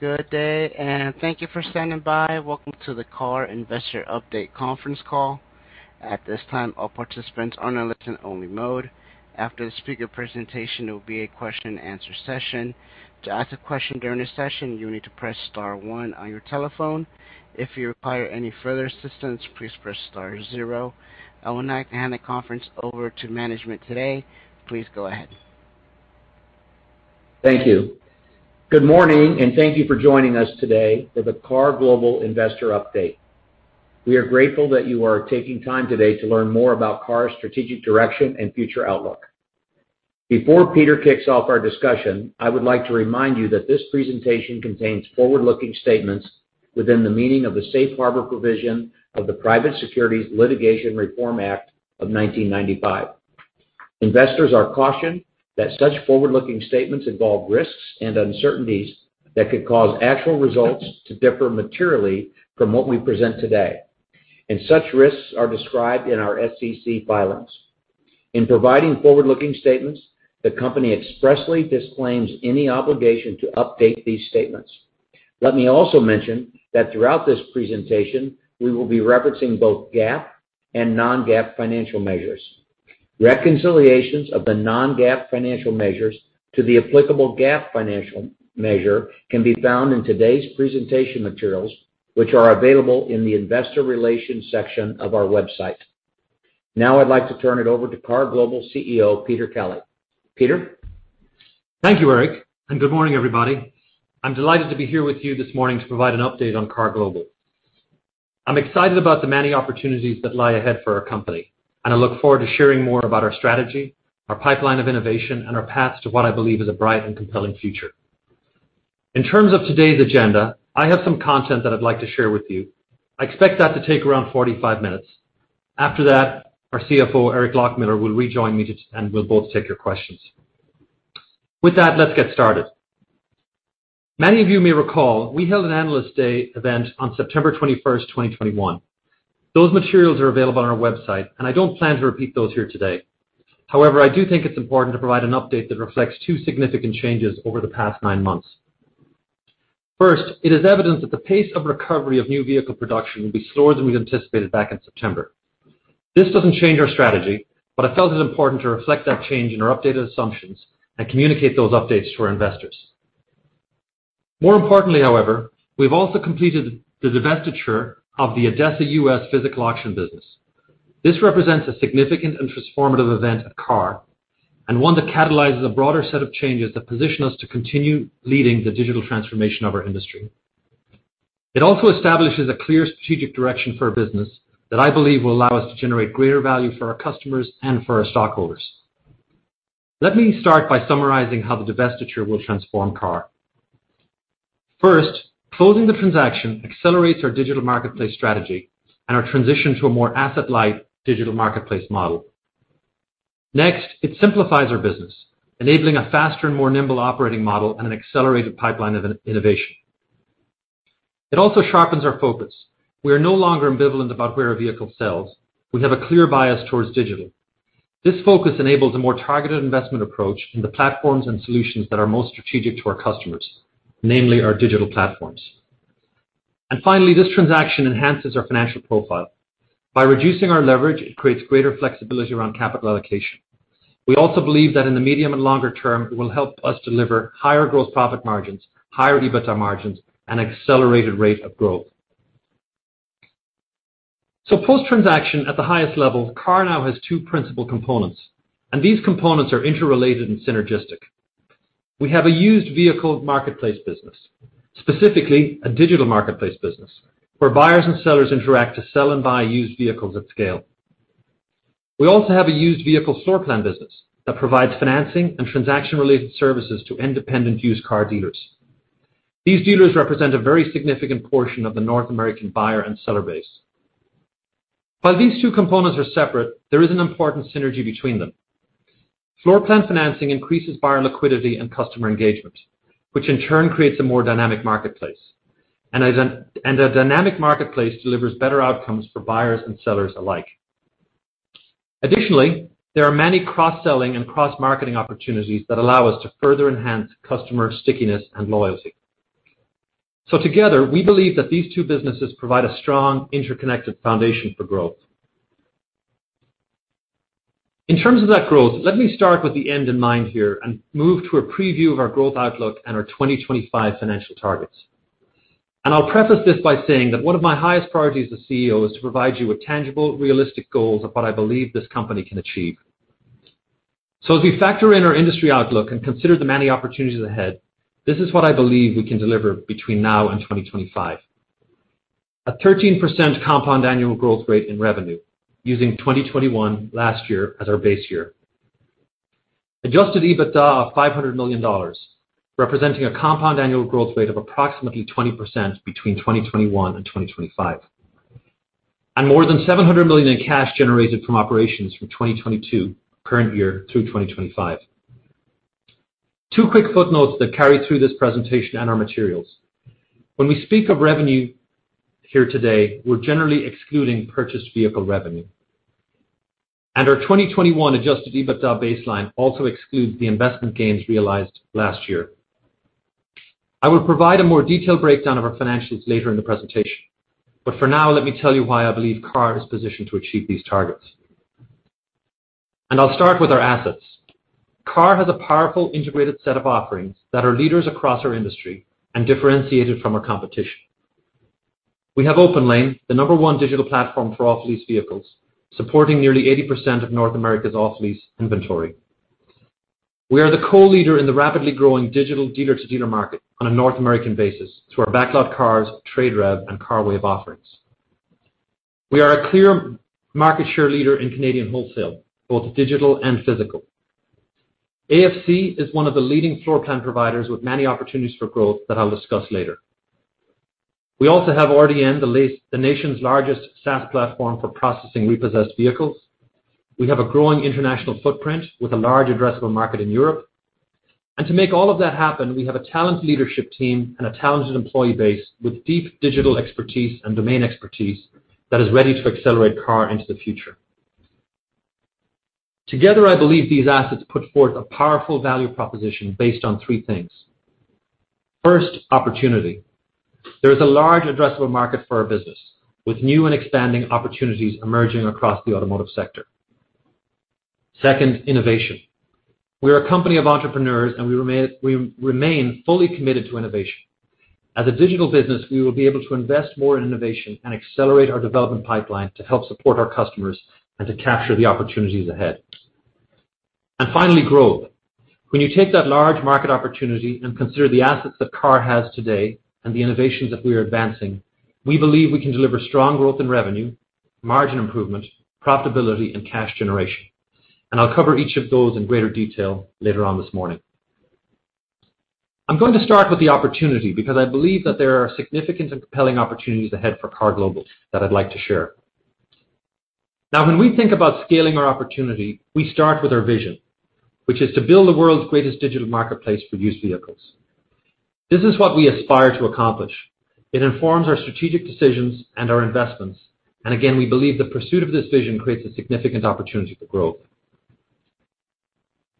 Good day, and thank you for standing by. Welcome to the KAR Investor Update Conference Call. At this time, all participants are in listen-only mode. After the speaker presentation, there will be a question and answer session. To ask a question during this session, you will need to press star one on your telephone. If you require any further assistance, please press star zero. I would now hand the conference over to management today. Please go ahead. Thank you. Good morning, and thank you for joining us today for the KAR Global Investor Update. We are grateful that you are taking time today to learn more about KAR's strategic direction and future outlook. Before Peter kicks off our discussion, I would like to remind you that this presentation contains forward-looking statements within the meaning of the safe harbor provision of the Private Securities Litigation Reform Act of 1995. Investors are cautioned that such forward-looking statements involve risks and uncertainties that could cause actual results to differ materially from what we present today, and such risks are described in our SEC filings. In providing forward-looking statements, the company expressly disclaims any obligation to update these statements. Let me also mention that throughout this presentation, we will be referencing both GAAP and non-GAAP financial measures. Reconciliations of the non-GAAP financial measures to the applicable GAAP financial measure can be found in today's presentation materials, which are available in the investor relations section of our website. Now I'd like to turn it over to KAR Global CEO, Peter Kelly. Peter? Thank you, Eric, and good morning, everybody. I'm delighted to be here with you this morning to provide an update on KAR Global. I'm excited about the many opportunities that lie ahead for our company, and I look forward to sharing more about our strategy, our pipeline of innovation, and our path to what I believe is a bright and compelling future. In terms of today's agenda, I have some content that I'd like to share with you. I expect that to take around 45 minutes. After that, our CFO, Eric Loughmiller, will rejoin me, and we'll both take your questions. With that, let's get started. Many of you may recall we held an Analyst Day event on September 21st, 2021. Those materials are available on our website, and I don't plan to repeat those here today. However, I do think it's important to provide an update that reflects two significant changes over the past nine months. First, it is evident that the pace of recovery of new vehicle production will be slower than we anticipated back in September. This doesn't change our strategy, but I felt it important to reflect that change in our updated assumptions and communicate those updates to our investors. More importantly, however, we've also completed the divestiture of the ADESA U.S. physical auction business. This represents a significant and transformative event at KAR and one that catalyzes a broader set of changes that position us to continue leading the digital transformation of our industry. It also establishes a clear strategic direction for our business that I believe will allow us to generate greater value for our customers and for our stockholders. Let me start by summarizing how the divestiture will transform KAR. First, closing the transaction accelerates our digital marketplace strategy and our transition to a more asset-light digital marketplace model. Next, it simplifies our business, enabling a faster and more nimble operating model and an accelerated pipeline of innovation. It also sharpens our focus. We are no longer ambivalent about where our vehicle sells. We have a clear bias towards digital. This focus enables a more targeted investment approach in the platforms and solutions that are most strategic to our customers, namely our digital platforms. Finally, this transaction enhances our financial profile. By reducing our leverage, it creates greater flexibility around capital allocation. We also believe that in the medium and longer term, it will help us deliver higher growth profit margins, higher EBITDA margins, and accelerated rate of growth. Post-transaction at the highest level, KAR now has two principal components, and these components are interrelated and synergistic. We have a used vehicle marketplace business, specifically a digital marketplace business, where buyers and sellers interact to sell and buy used vehicles at scale. We also have a used vehicle floor plan business that provides financing and transaction-related services to independent used car dealers. These dealers represent a very significant portion of the North American buyer and seller base. While these two components are separate, there is an important synergy between them. Floor plan financing increases buyer liquidity and customer engagement, which in turn creates a more dynamic marketplace. A dynamic marketplace delivers better outcomes for buyers and sellers alike. Additionally, there are many cross-selling and cross-marketing opportunities that allow us to further enhance customer stickiness and loyalty. Together, we believe that these two businesses provide a strong, interconnected foundation for growth. In terms of that growth, let me start with the end in mind here and move to a preview of our growth outlook and our 2025 financial targets. I'll preface this by saying that one of my highest priorities as CEO is to provide you with tangible, realistic goals of what I believe this company can achieve. As we factor in our industry outlook and consider the many opportunities ahead, this is what I believe we can deliver between now and 2025. A 13% compound annual growth rate in revenue using 2021 last year as our base year. Adjusted EBITDA of $500 million, representing a compound annual growth rate of approximately 20% between 2021 and 2025. More than $700 million in cash generated from operations from 2022 current year through 2025. Two quick footnotes that carry through this presentation and our materials. When we speak of revenue here today, we're generally excluding purchased vehicle revenue. Our 2021 Adjusted EBITDA baseline also excludes the investment gains realized last year. I will provide a more detailed breakdown of our financials later in the presentation, but for now, let me tell you why I believe KAR is positioned to achieve these targets. I'll start with our assets. KAR has a powerful integrated set of offerings that are leaders across our industry and differentiated from our competition. We have OPENLANE, the number one digital platform for off-lease vehicles, supporting nearly 80% of North America's off-lease inventory. We are the co-leader in the rapidly growing digital dealer-to-dealer market on a North American basis through our BacklotCars, TradeRev, and CARWAVE offerings. We are a clear market share leader in Canadian wholesale, both digital and physical. AFC is one of the leading floor plan providers with many opportunities for growth that I'll discuss later. We also have RDN, the nation's largest SaaS platform for processing repossessed vehicles. We have a growing international footprint with a large addressable market in Europe. To make all of that happen, we have a talented leadership team and a talented employee base with deep digital expertise and domain expertise that is ready to accelerate KAR into the future. Together, I believe these assets put forth a powerful value proposition based on three things. First, opportunity. There is a large addressable market for our business, with new and expanding opportunities emerging across the automotive sector. Second, innovation. We are a company of entrepreneurs, and we remain fully committed to innovation. As a digital business, we will be able to invest more in innovation and accelerate our development pipeline to help support our customers and to capture the opportunities ahead. Finally, growth. When you take that large market opportunity and consider the assets that KAR has today and the innovations that we are advancing, we believe we can deliver strong growth in revenue, margin improvement, profitability and cash generation. I'll cover each of those in greater detail later on this morning. I'm going to start with the opportunity because I believe that there are significant and compelling opportunities ahead for KAR Global that I'd like to share. Now, when we think about scaling our opportunity, we start with our vision, which is to build the world's greatest digital marketplace for used vehicles. This is what we aspire to accomplish. It informs our strategic decisions and our investments. Again, we believe the pursuit of this vision creates a significant opportunity for growth.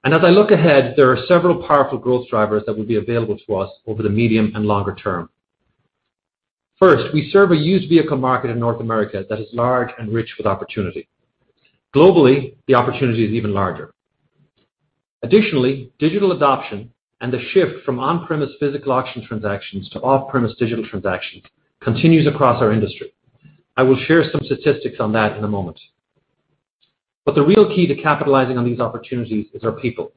As I look ahead, there are several powerful growth drivers that will be available to us over the medium and longer term. First, we serve a used vehicle market in North America that is large and rich with opportunity. Globally, the opportunity is even larger. Additionally, digital adoption and the shift from on-premise physical auction transactions to off-premise digital transactions continues across our industry. I will share some statistics on that in a moment. The real key to capitalizing on these opportunities is our people.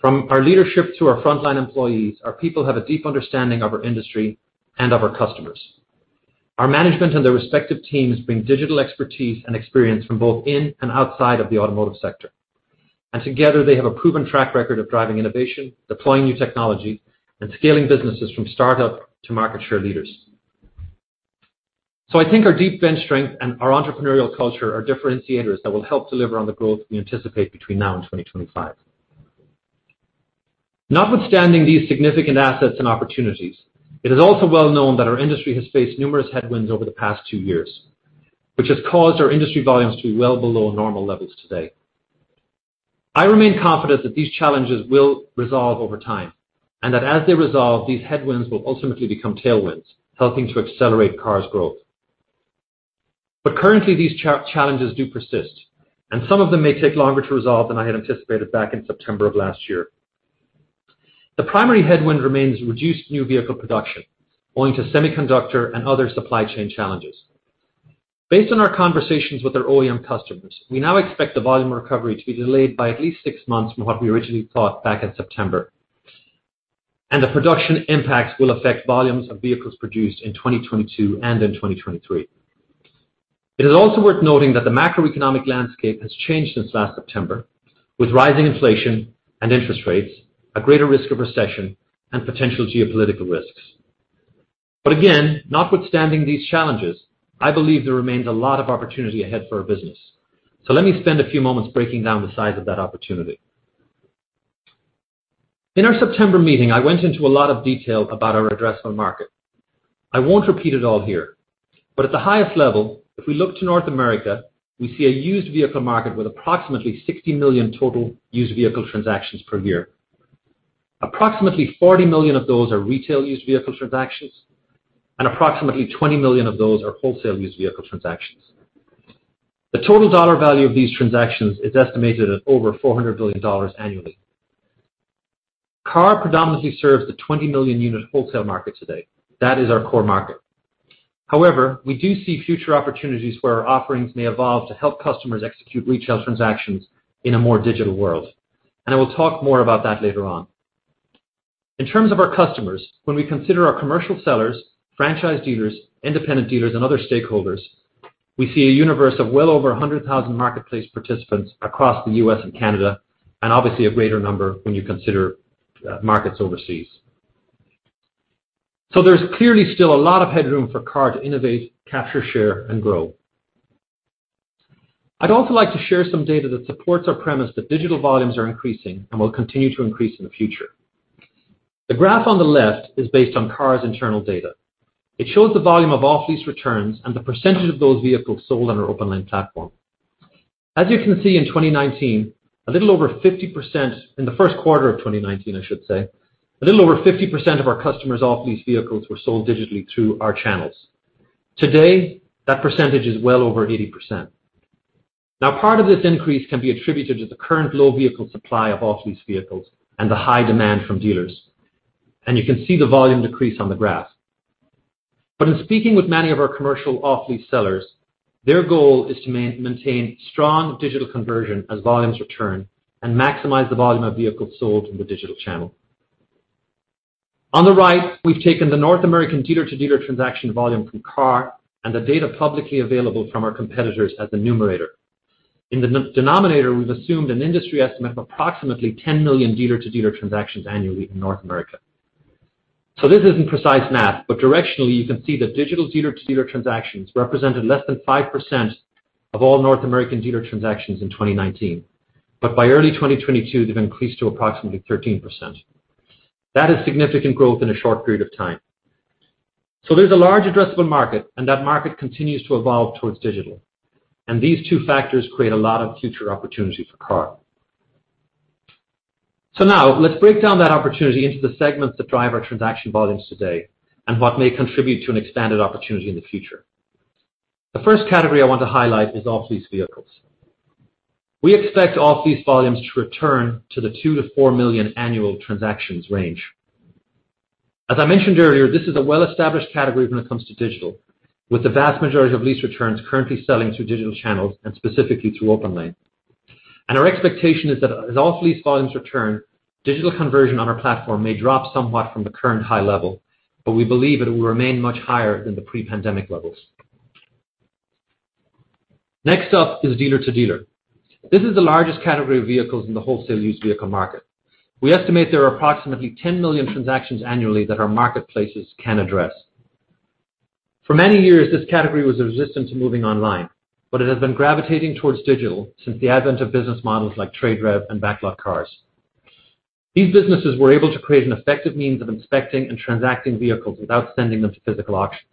From our leadership to our frontline employees, our people have a deep understanding of our industry and of our customers. Our management and their respective teams bring digital expertise and experience from both in and outside of the automotive sector. Together, they have a proven track record of driving innovation, deploying new technology, and scaling businesses from startup to market share leaders. I think our deep bench strength and our entrepreneurial culture are differentiators that will help deliver on the growth we anticipate between now and 2025. Notwithstanding these significant assets and opportunities, it is also well known that our industry has faced numerous headwinds over the past two years, which has caused our industry volumes to be well below normal levels today. I remain confident that these challenges will resolve over time, and that as they resolve, these headwinds will ultimately become tailwinds, helping to accelerate KAR's growth. Currently, these challenges do persist, and some of them may take longer to resolve than I had anticipated back in September of last year. The primary headwind remains reduced new vehicle production owing to semiconductor and other supply chain challenges. Based on our conversations with our OEM customers, we now expect the volume recovery to be delayed by at least six months from what we originally thought back in September, and the production impacts will affect volumes of vehicles produced in 2022 and in 2023. It is also worth noting that the macroeconomic landscape has changed since last September with rising inflation and interest rates, a greater risk of recession, and potential geopolitical risks. Notwithstanding these challenges, I believe there remains a lot of opportunity ahead for our business. Let me spend a few moments breaking down the size of that opportunity. In our September meeting, I went into a lot of detail about our addressable market. I won't repeat it all here, but at the highest level, if we look to North America, we see a used vehicle market with approximately 60 million total used vehicle transactions per year. Approximately 40 million of those are retail used vehicle transactions, and approximately 20 million of those are wholesale used vehicle transactions. The total dollar value of these transactions is estimated at over $400 billion annually. KAR predominantly serves the 20 million unit wholesale market today. That is our core market. However, we do see future opportunities where our offerings may evolve to help customers execute retail transactions in a more digital world. I will talk more about that later on. In terms of our customers, when we consider our commercial sellers, franchise dealers, independent dealers, and other stakeholders, we see a universe of well over 100,000 marketplace participants across the U.S. and Canada, and obviously a greater number when you consider markets overseas. There's clearly still a lot of headroom for KAR to innovate, capture share, and grow. I'd also like to share some data that supports our premise that digital volumes are increasing and will continue to increase in the future. The graph on the left is based on KAR's internal data. It shows the volume of off-lease returns and the percentage of those vehicles sold on our OPENLANE platform. As you can see in 2019, a little over 50%. In the first quarter of 2019, I should say, a little over 50% of our customers off-lease vehicles were sold digitally through our channels. Today, that percentage is well over 80%. Now, part of this increase can be attributed to the current low vehicle supply of off-lease vehicles and the high demand from dealers, and you can see the volume decrease on the graph. In speaking with many of our commercial off-lease sellers, their goal is to maintain strong digital conversion as volumes return and maximize the volume of vehicles sold in the digital channel. On the right, we've taken the North American dealer-to-dealer transaction volume from KAR and the data publicly available from our competitors as the numerator. In the denominator, we've assumed an industry estimate of approximately 10 million dealer-to-dealer transactions annually in North America. This isn't precise math, but directionally, you can see that digital dealer-to-dealer transactions represented less than 5% of all North American dealer transactions in 2019. By early 2022, they've increased to approximately 13%. That is significant growth in a short period of time. There's a large addressable market, and that market continues to evolve towards digital. These two factors create a lot of future opportunity for KAR. Now let's break down that opportunity into the segments that drive our transaction volumes today and what may contribute to an expanded opportunity in the future. The first category I want to highlight is off-lease vehicles. We expect off-lease volumes to return to the 2 million-4 million annual transactions range. As I mentioned earlier, this is a well-established category when it comes to digital, with the vast majority of lease returns currently selling through digital channels and specifically through OPENLANE. Our expectation is that as off-lease volumes return, digital conversion on our platform may drop somewhat from the current high level, but we believe it will remain much higher than the pre-pandemic levels. Next up is dealer-to-dealer. This is the largest category of vehicles in the wholesale used vehicle market. We estimate there are approximately 10 million transactions annually that our marketplaces can address. For many years, this category was resistant to moving online, but it has been gravitating towards digital since the advent of business models like TradeRev and BacklotCars. These businesses were able to create an effective means of inspecting and transacting vehicles without sending them to physical auctions.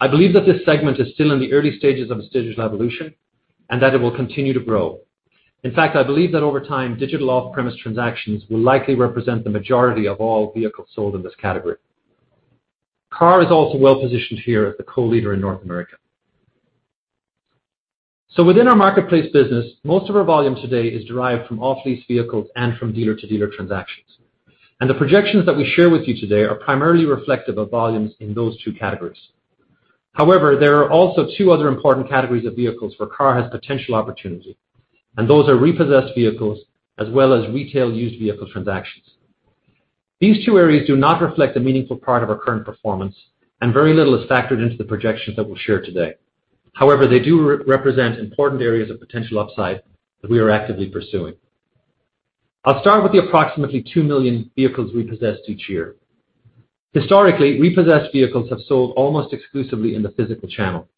I believe that this segment is still in the early stages of its digital evolution and that it will continue to grow. In fact, I believe that over time, digital off-premise transactions will likely represent the majority of all vehicles sold in this category. KAR is also well positioned here as the co-leader in North America. Within our marketplace business, most of our volume today is derived from off-lease vehicles and from dealer-to-dealer transactions, and the projections that we share with you today are primarily reflective of volumes in those two categories. However, there are also two other important categories of vehicles where KAR has potential opportunity, and those are repossessed vehicles as well as retail used vehicle transactions. These two areas do not reflect a meaningful part of our current performance, and very little is factored into the projections that we'll share today. However, they do represent important areas of potential upside that we are actively pursuing. I'll start with the approximately 2 million vehicles repossessed each year. Historically, repossessed vehicles have sold almost exclusively in the physical channel.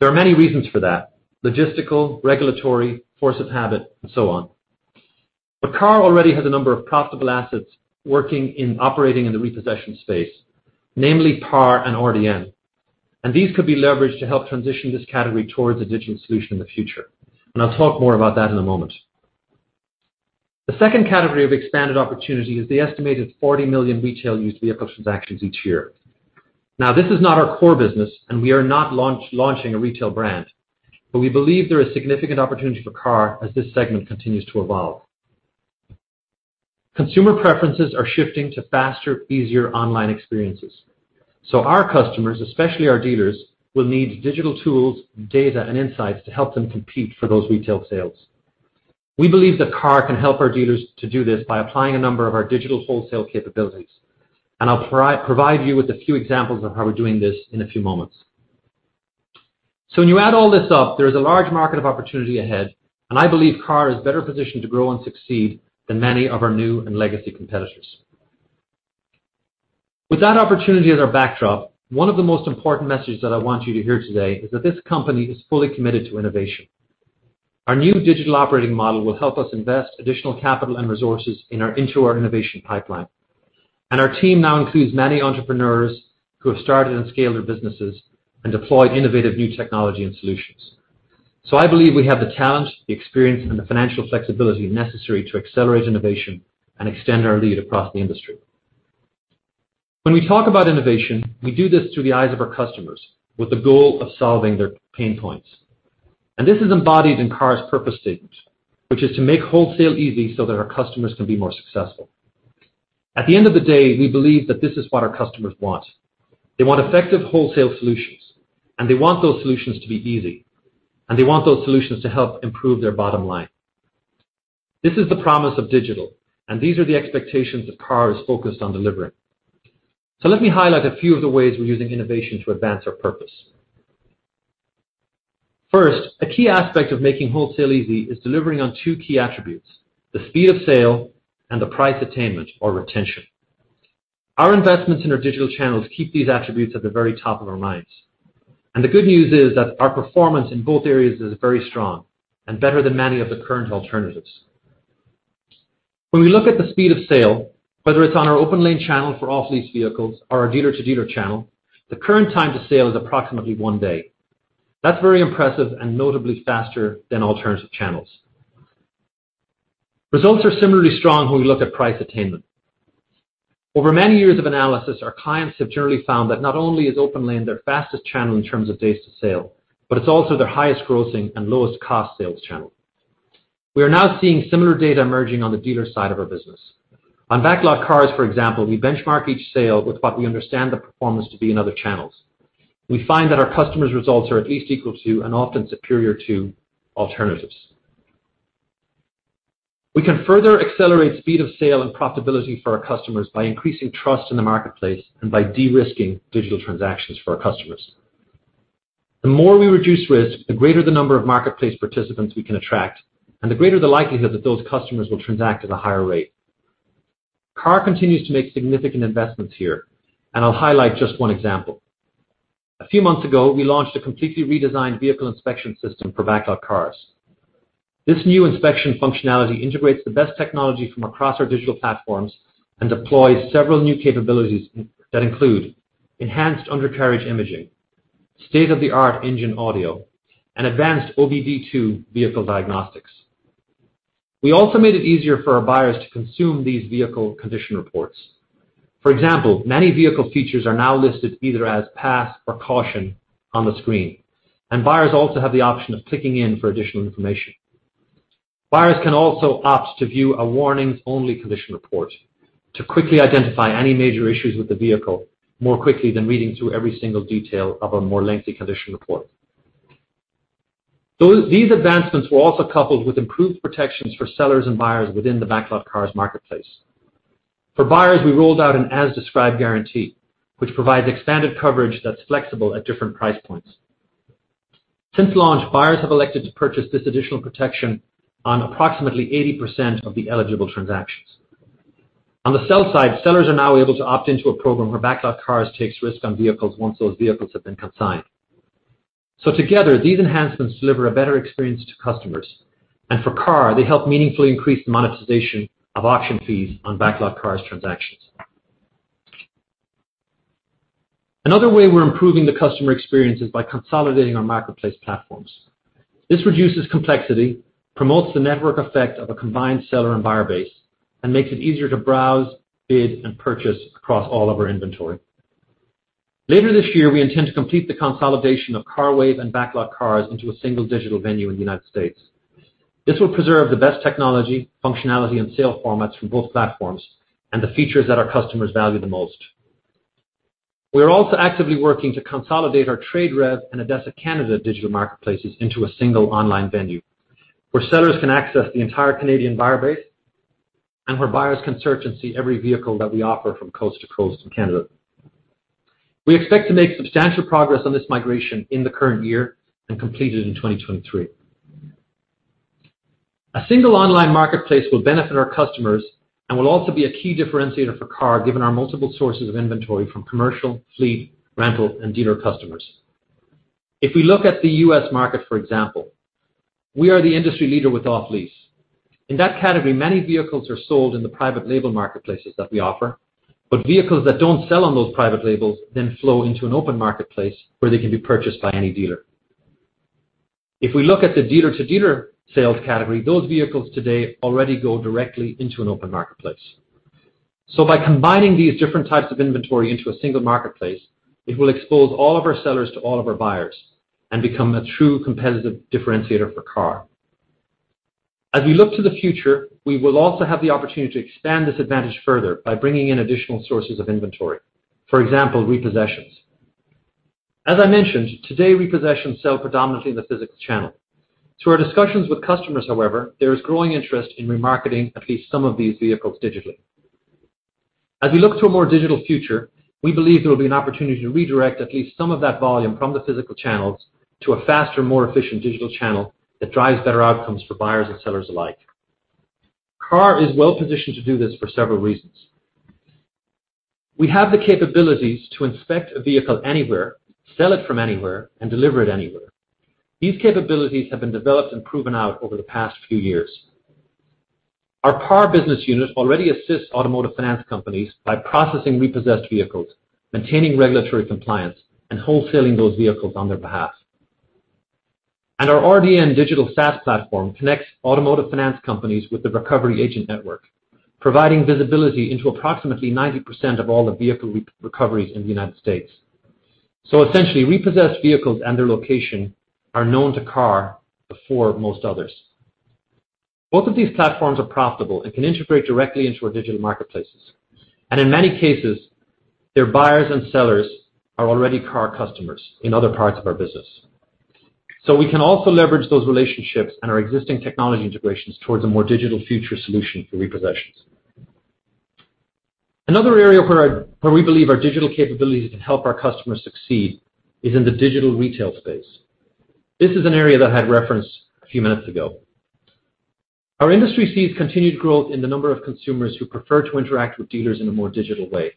There are many reasons for that, logistical, regulatory, force of habit and so on. KAR already has a number of profitable assets working and operating in the repossession space, namely PAR and RDN, and these could be leveraged to help transition this category towards a digital solution in the future. I'll talk more about that in a moment. The second category of expanded opportunity is the estimated 40 million retail used vehicle transactions each year. Now, this is not our core business, and we are not launching a retail brand, but we believe there is significant opportunity for KAR as this segment continues to evolve. Consumer preferences are shifting to faster, easier online experiences. Our customers, especially our dealers, will need digital tools, data, and insights to help them compete for those retail sales. We believe that KAR can help our dealers to do this by applying a number of our digital wholesale capabilities, and I'll provide you with a few examples of how we're doing this in a few moments. When you add all this up, there is a large market of opportunity ahead, and I believe KAR is better positioned to grow and succeed than many of our new and legacy competitors. With that opportunity as our backdrop, one of the most important messages that I want you to hear today is that this company is fully committed to innovation. Our new digital operating model will help us invest additional capital and resources into our innovation pipeline. Our team now includes many entrepreneurs who have started and scaled their businesses and deployed innovative new technology and solutions. I believe we have the talent, the experience, and the financial flexibility necessary to accelerate innovation and extend our lead across the industry. When we talk about innovation, we do this through the eyes of our customers with the goal of solving their pain points. This is embodied in KAR's purpose statement, which is to make wholesale easy so that our customers can be more successful. At the end of the day, we believe that this is what our customers want. They want effective wholesale solutions, and they want those solutions to be easy, and they want those solutions to help improve their bottom line. This is the promise of digital, and these are the expectations that KAR is focused on delivering. Let me highlight a few of the ways we're using innovation to advance our purpose. First, a key aspect of making wholesale easy is delivering on two key attributes, the speed of sale and the price attainment or retention. Our investments in our digital channels keep these attributes at the very top of our minds. The good news is that our performance in both areas is very strong and better than many of the current alternatives. When we look at the speed of sale, whether it's on our OPENLANE channel for off-lease vehicles or our dealer-to-dealer channel, the current time to sale is approximately one day. That's very impressive and notably faster than alternative channels. Results are similarly strong when we look at price attainment. Over many years of analysis, our clients have generally found that not only is OPENLANE their fastest channel in terms of days to sale, but it's also their highest grossing and lowest cost sales channel. We are now seeing similar data emerging on the dealer side of our business. On BacklotCars, for example, we benchmark each sale with what we understand the performance to be in other channels. We find that our customers' results are at least equal to, and often superior to alternatives. We can further accelerate speed of sale and profitability for our customers by increasing trust in the marketplace and by de-risking digital transactions for our customers. The more we reduce risk, the greater the number of marketplace participants we can attract, and the greater the likelihood that those customers will transact at a higher rate. KAR continues to make significant investments here, and I'll highlight just one example. A few months ago, we launched a completely redesigned vehicle inspection system for BacklotCars. This new inspection functionality integrates the best technology from across our digital platforms and deploys several new capabilities that include enhanced undercarriage imaging, state-of-the-art engine audio, and advanced OBD-II vehicle diagnostics. We also made it easier for our buyers to consume these vehicle condition reports. For example, many vehicle features are now listed either as pass or caution on the screen, and buyers also have the option of clicking in for additional information. Buyers can also opt to view a warnings-only condition report to quickly identify any major issues with the vehicle more quickly than reading through every single detail of a more lengthy condition report. These advancements were also coupled with improved protections for sellers and buyers within the BacklotCars marketplace. For buyers, we rolled out an as-described guarantee, which provides expanded coverage that's flexible at different price points. Since launch, buyers have elected to purchase this additional protection on approximately 80% of the eligible transactions. On the sell side, sellers are now able to opt into a program where BacklotCars takes risks on vehicles once those vehicles have been consigned. Together, these enhancements deliver a better experience to customers, and for KAR, they help meaningfully increase the monetization of auction fees on BacklotCars transactions. Another way we're improving the customer experience is by consolidating our marketplace platforms. This reduces complexity, promotes the network effect of a combined seller and buyer base, and makes it easier to browse, bid, and purchase across all of our inventory. Later this year, we intend to complete the consolidation of CARWAVE and BacklotCars into a single digital venue in the United States. This will preserve the best technology, functionality, and sale formats from both platforms and the features that our customers value the most. We are also actively working to consolidate our TradeRev and ADESA Canada digital marketplaces into a single online venue where sellers can access the entire Canadian buyer base and where buyers can search and see every vehicle that we offer from coast to coast in Canada. We expect to make substantial progress on this migration in the current year and complete it in 2023. A single online marketplace will benefit our customers and will also be a key differentiator for KAR, given our multiple sources of inventory from commercial, fleet, rental, and dealer customers. If we look at the U.S. market, for example, we are the industry leader with off-lease. In that category, many vehicles are sold in the private label marketplaces that we offer, but vehicles that don't sell on those private labels then flow into an open marketplace where they can be purchased by any dealer. If we look at the dealer-to-dealer sales category, those vehicles today already go directly into an open marketplace. By combining these different types of inventory into a single marketplace, it will expose all of our sellers to all of our buyers and become a true competitive differentiator for KAR. As we look to the future, we will also have the opportunity to expand this advantage further by bringing in additional sources of inventory. For example, repossessions. As I mentioned, today, repossessions sell predominantly in the physical channel. Through our discussions with customers, however, there is growing interest in remarketing at least some of these vehicles digitally. As we look to a more digital future, we believe there will be an opportunity to redirect at least some of that volume from the physical channels to a faster, more efficient digital channel that drives better outcomes for buyers and sellers alike. KAR is well-positioned to do this for several reasons. We have the capabilities to inspect a vehicle anywhere, sell it from anywhere, and deliver it anywhere. These capabilities have been developed and proven out over the past few years. Our PAR business unit already assists automotive finance companies by processing repossessed vehicles, maintaining regulatory compliance, and wholesaling those vehicles on their behalf. Our RDN digital SaaS platform connects automotive finance companies with the Recovery Agent Network, providing visibility into approximately 90% of all the vehicle re-recoveries in the United States. Essentially, repossessed vehicles and their location are known to KAR before most others. Both of these platforms are profitable and can integrate directly into our digital marketplaces, and in many cases, their buyers and sellers are already KAR customers in other parts of our business. We can also leverage those relationships and our existing technology integrations towards a more digital future solution for repossessions. Another area where we believe our digital capabilities can help our customers succeed is in the digital retail space. This is an area that I had referenced a few minutes ago. Our industry sees continued growth in the number of consumers who prefer to interact with dealers in a more digital way.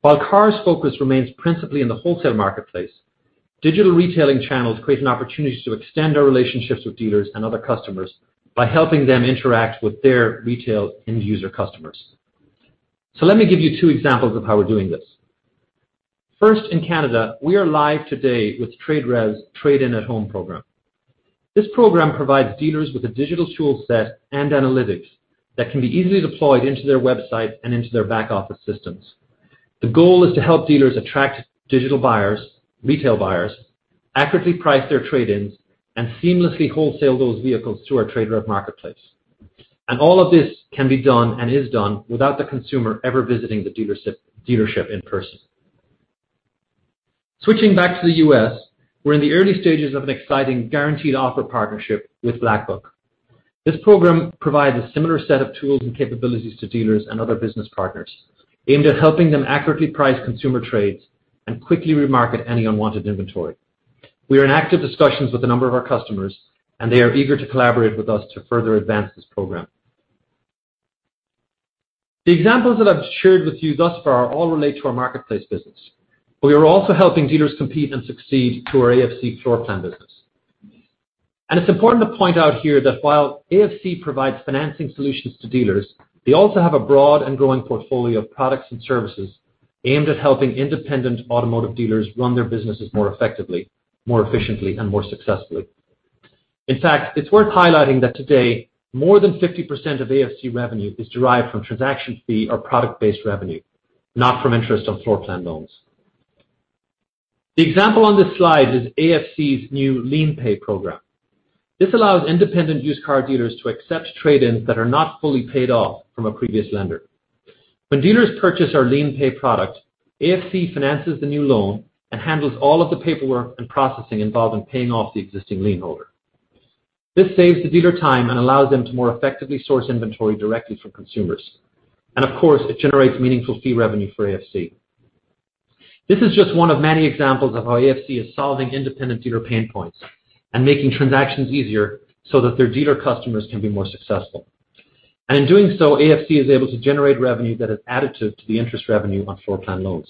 While KAR's focus remains principally in the wholesale marketplace, digital retailing channels create an opportunity to extend our relationships with dealers and other customers by helping them interact with their retail end user customers. Let me give you two examples of how we're doing this. First, in Canada, we are live today with TradeRev's Trade-in at Home program. This program provides dealers with a digital tool set and analytics that can be easily deployed into their website and into their back-office systems. The goal is to help dealers attract digital buyers, retail buyers, accurately price their trade-ins, and seamlessly wholesale those vehicles through our TradeRev marketplace. All of this can be done and is done without the consumer ever visiting the dealership in person. Switching back to the U.S., we're in the early stages of an exciting guaranteed offer partnership with Black Book. This program provides a similar set of tools and capabilities to dealers and other business partners aimed at helping them accurately price consumer trades and quickly remarket any unwanted inventory. We are in active discussions with a number of our customers, and they are eager to collaborate with us to further advance this program. The examples that I've shared with you thus far all relate to our marketplace business, but we are also helping dealers compete and succeed through our AFC floor plan business. It's important to point out here that while AFC provides financing solutions to dealers, they also have a broad and growing portfolio of products and services aimed at helping independent automotive dealers run their businesses more effectively, more efficiently, and more successfully. In fact, it's worth highlighting that today more than 50% of AFC revenue is derived from transaction fee or product-based revenue, not from interest on floor plan loans. The example on this slide is AFC's new LienPay program. This allows independent used car dealers to accept trade-ins that are not fully paid off from a previous lender. When dealers purchase our LienPay product, AFC finances the new loan and handles all of the paperwork and processing involved in paying off the existing lienholder. This saves the dealer time and allows them to more effectively source inventory directly from consumers. Of course, it generates meaningful fee revenue for AFC. This is just one of many examples of how AFC is solving independent dealer pain points and making transactions easier so that their dealer customers can be more successful. In doing so, AFC is able to generate revenue that is additive to the interest revenue on floor plan loans.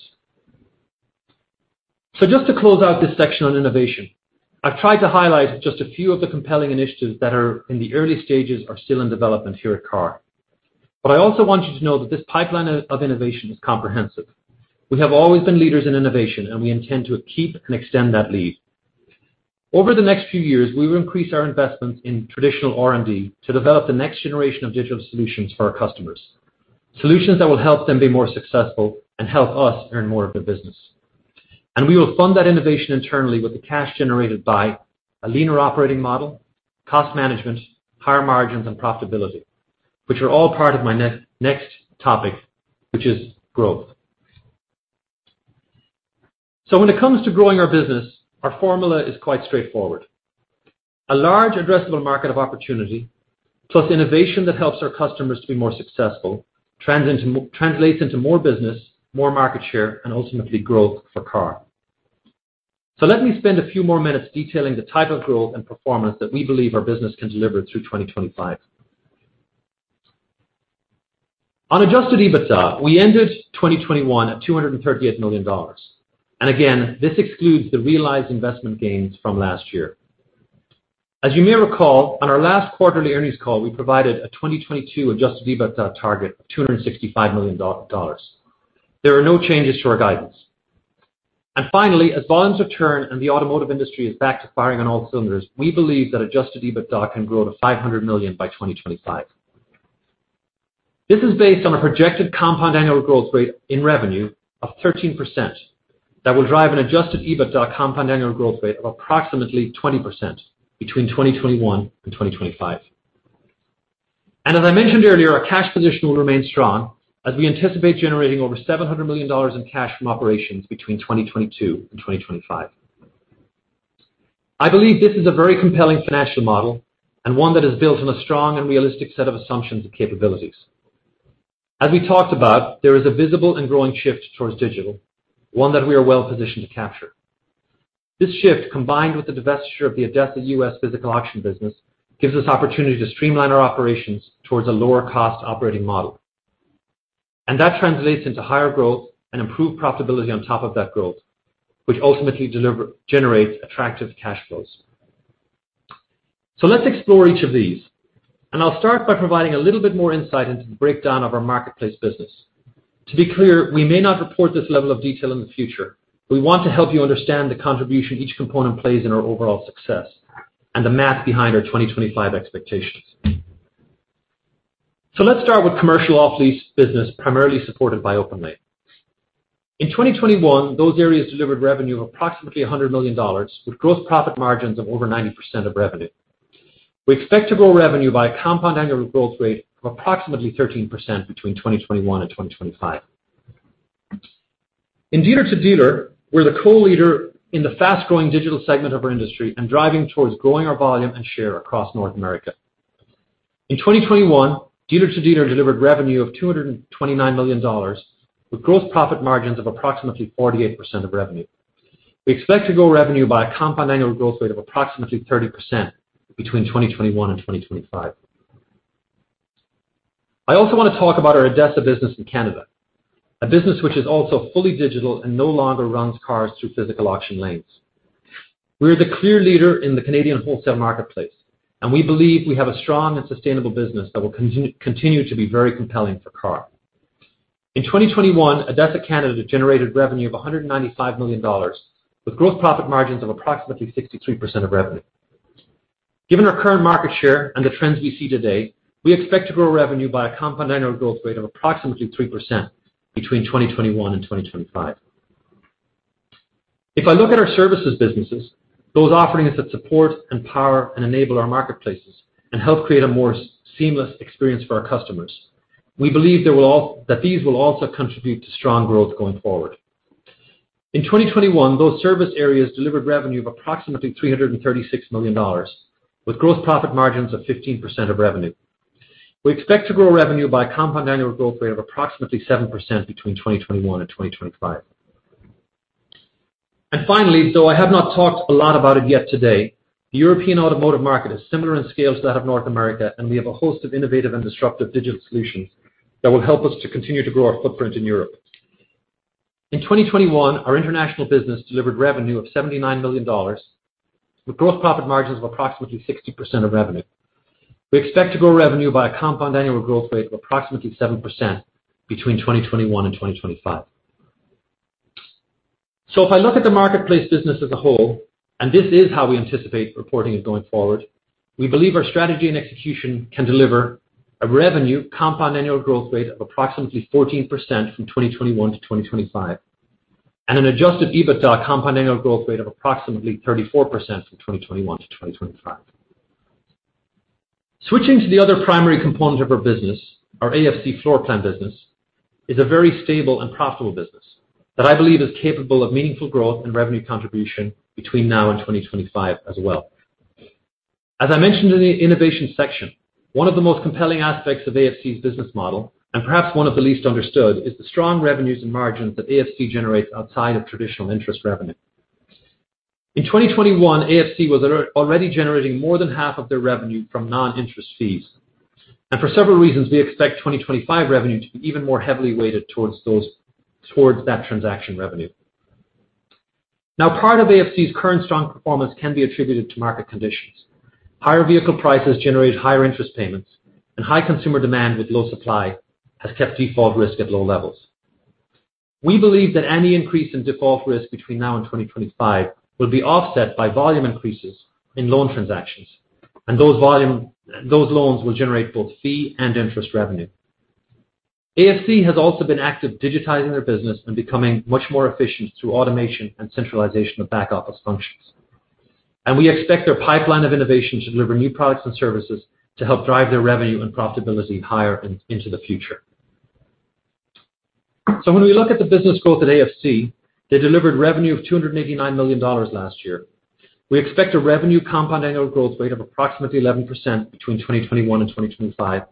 Just to close out this section on innovation, I've tried to highlight just a few of the compelling initiatives that are in the early stages or still in development here at KAR. I also want you to know that this pipeline of innovation is comprehensive. We have always been leaders in innovation, and we intend to keep and extend that lead. Over the next few years, we will increase our investments in traditional R&D to develop the next generation of digital solutions for our customers, solutions that will help them be more successful and help us earn more of their business. We will fund that innovation internally with the cash generated by a leaner operating model, cost management, higher margins and profitability, which are all part of my next topic, which is growth. When it comes to growing our business, our formula is quite straightforward. A large addressable market of opportunity, plus innovation that helps our customers to be more successful, translates into more business, more market share, and ultimately growth for KAR. Let me spend a few more minutes detailing the type of growth and performance that we believe our business can deliver through 2025. On Adjusted EBITDA, we ended 2021 at $238 million. Again, this excludes the realized investment gains from last year. As you may recall, on our last quarterly earnings call, we provided a 2022 Adjusted EBITDA target of $265 million dollars. There are no changes to our guidance. Finally, as volumes return and the automotive industry is back to firing on all cylinders, we believe that Adjusted EBITDA can grow to $500 million by 2025. This is based on a projected compound annual growth rate in revenue of 13% that will drive an Adjusted EBITDA compound annual growth rate of approximately 20% between 2021 and 2025. As I mentioned earlier, our cash position will remain strong as we anticipate generating over $700 million in cash from operations between 2022 and 2025. I believe this is a very compelling financial model and one that is built on a strong and realistic set of assumptions and capabilities. As we talked about, there is a visible and growing shift towards digital, one that we are well-positioned to capture. This shift, combined with the divestiture of the ADESA U.S. physical auction business, gives us opportunity to streamline our operations towards a lower cost operating model. That translates into higher growth and improved profitability on top of that growth, which ultimately generates attractive cash flows. Let's explore each of these, and I'll start by providing a little bit more insight into the breakdown of our marketplace business. To be clear, we may not report this level of detail in the future. We want to help you understand the contribution each component plays in our overall success and the math behind our 2025 expectations. Let's start with commercial off-lease business, primarily supported by OPENLANE. In 2021, those areas delivered revenue of approximately $100 million, with gross profit margins of over 90% of revenue. We expect to grow revenue by a compound annual growth rate of approximately 13% between 2021 and 2025. In dealer-to-dealer, we're the co-leader in the fast-growing digital segment of our industry and driving towards growing our volume and share across North America. In 2021, dealer-to-dealer delivered revenue of $229 million, with gross profit margins of approximately 48% of revenue. We expect to grow revenue by a compound annual growth rate of approximately 30% between 2021 and 2025. I also want to talk about our ADESA business in Canada, a business which is also fully digital and no longer runs cars through physical auction lanes. We're the clear leader in the Canadian wholesale marketplace, and we believe we have a strong and sustainable business that will continue to be very compelling for KAR. In 2021, ADESA Canada generated revenue of $195 million, with gross profit margins of approximately 63% of revenue. Given our current market share and the trends we see today, we expect to grow revenue by a compound annual growth rate of approximately 3% between 2021 and 2025. If I look at our services businesses, those offerings that support, empower, and enable our marketplaces and help create a more seamless experience for our customers, we believe that these will also contribute to strong growth going forward. In 2021, those service areas delivered revenue of approximately $336 million, with gross profit margins of 15% of revenue. We expect to grow revenue by a compound annual growth rate of approximately 7% between 2021 and 2025. Finally, though I have not talked a lot about it yet today, the European automotive market is similar in scale to that of North America, and we have a host of innovative and disruptive digital solutions that will help us to continue to grow our footprint in Europe. In 2021, our international business delivered revenue of $79 million, with gross profit margins of approximately 60% of revenue. We expect to grow revenue by a compound annual growth rate of approximately 7% between 2021 and 2025. If I look at the marketplace business as a whole, and this is how we anticipate reporting it going forward, we believe our strategy and execution can deliver a revenue compound annual growth rate of approximately 14% from 2021 to 2025, and an Adjusted EBITDA compound annual growth rate of approximately 34% from 2021 to 2025. Switching to the other primary component of our business, our AFC floorplan business, is a very stable and profitable business that I believe is capable of meaningful growth and revenue contribution between now and 2025 as well. As I mentioned in the innovation section, one of the most compelling aspects of AFC's business model, and perhaps one of the least understood, is the strong revenues and margins that AFC generates outside of traditional interest revenue. In 2021, AFC was already generating more than half of their revenue from non-interest fees. For several reasons, we expect 2025 revenue to be even more heavily weighted towards that transaction revenue. Now, part of AFC's current strong performance can be attributed to market conditions. Higher vehicle prices generate higher interest payments, and high consumer demand with low supply has kept default risk at low levels. We believe that any increase in default risk between now and 2025 will be offset by volume increases in loan transactions, and those loans will generate both fee and interest revenue. AFC has also been active digitizing their business and becoming much more efficient through automation and centralization of back-office functions. We expect their pipeline of innovations to deliver new products and services to help drive their revenue and profitability higher into the future. When we look at the business growth at AFC, they delivered revenue of $289 million last year. We expect a revenue compound annual growth rate of approximately 11% between 2021 and 2025,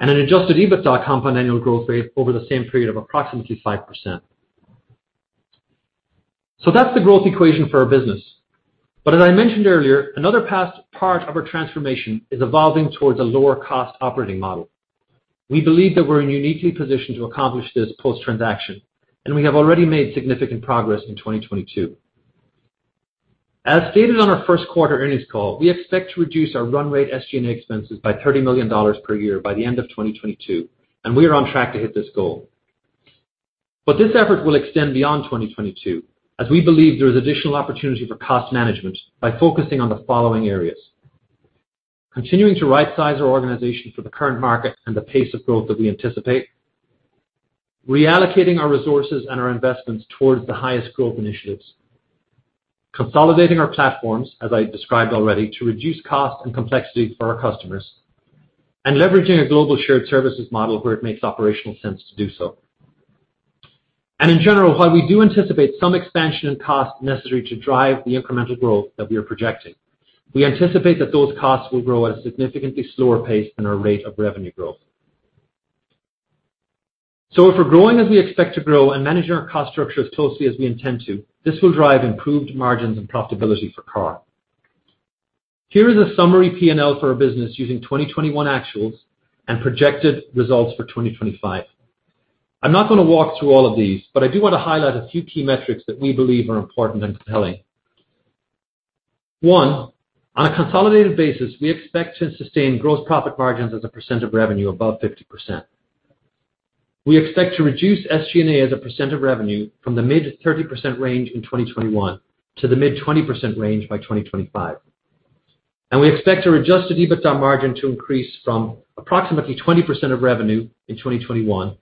and an Adjusted EBITDA compound annual growth rate over the same period of approximately 5%. That's the growth equation for our business. As I mentioned earlier, another key part of our transformation is evolving towards a lower cost operating model. We believe that we're uniquely positioned to accomplish this post-transaction, and we have already made significant progress in 2022. As stated on our first quarter earnings call, we expect to reduce our run rate SG&A expenses by $30 million per year by the end of 2022, and we are on track to hit this goal. This effort will extend beyond 2022, as we believe there is additional opportunity for cost management by focusing on the following areas, continuing to right size our organization for the current market and the pace of growth that we anticipate, reallocating our resources and our investments towards the highest growth initiatives, consolidating our platforms, as I described already, to reduce cost and complexity for our customers, and leveraging a global shared services model where it makes operational sense to do so. In general, while we do anticipate some expansion in costs necessary to drive the incremental growth that we are projecting, we anticipate that those costs will grow at a significantly slower pace than our rate of revenue growth. If we're growing as we expect to grow and managing our cost structure as closely as we intend to, this will drive improved margins and profitability for KAR. Here is a summary P&L for our business using 2021 actuals and projected results for 2025. I'm not gonna walk through all of these, but I do want to highlight a few key metrics that we believe are important and compelling. One, on a consolidated basis, we expect to sustain gross profit margins as a % of revenue above 50%. We expect to reduce SG&A as a percentage of revenue from the mid-30% range in 2021 to the mid-20% range by 2025. We expect our Adjusted EBITDA margin to increase from approximately 20% of revenue in 2021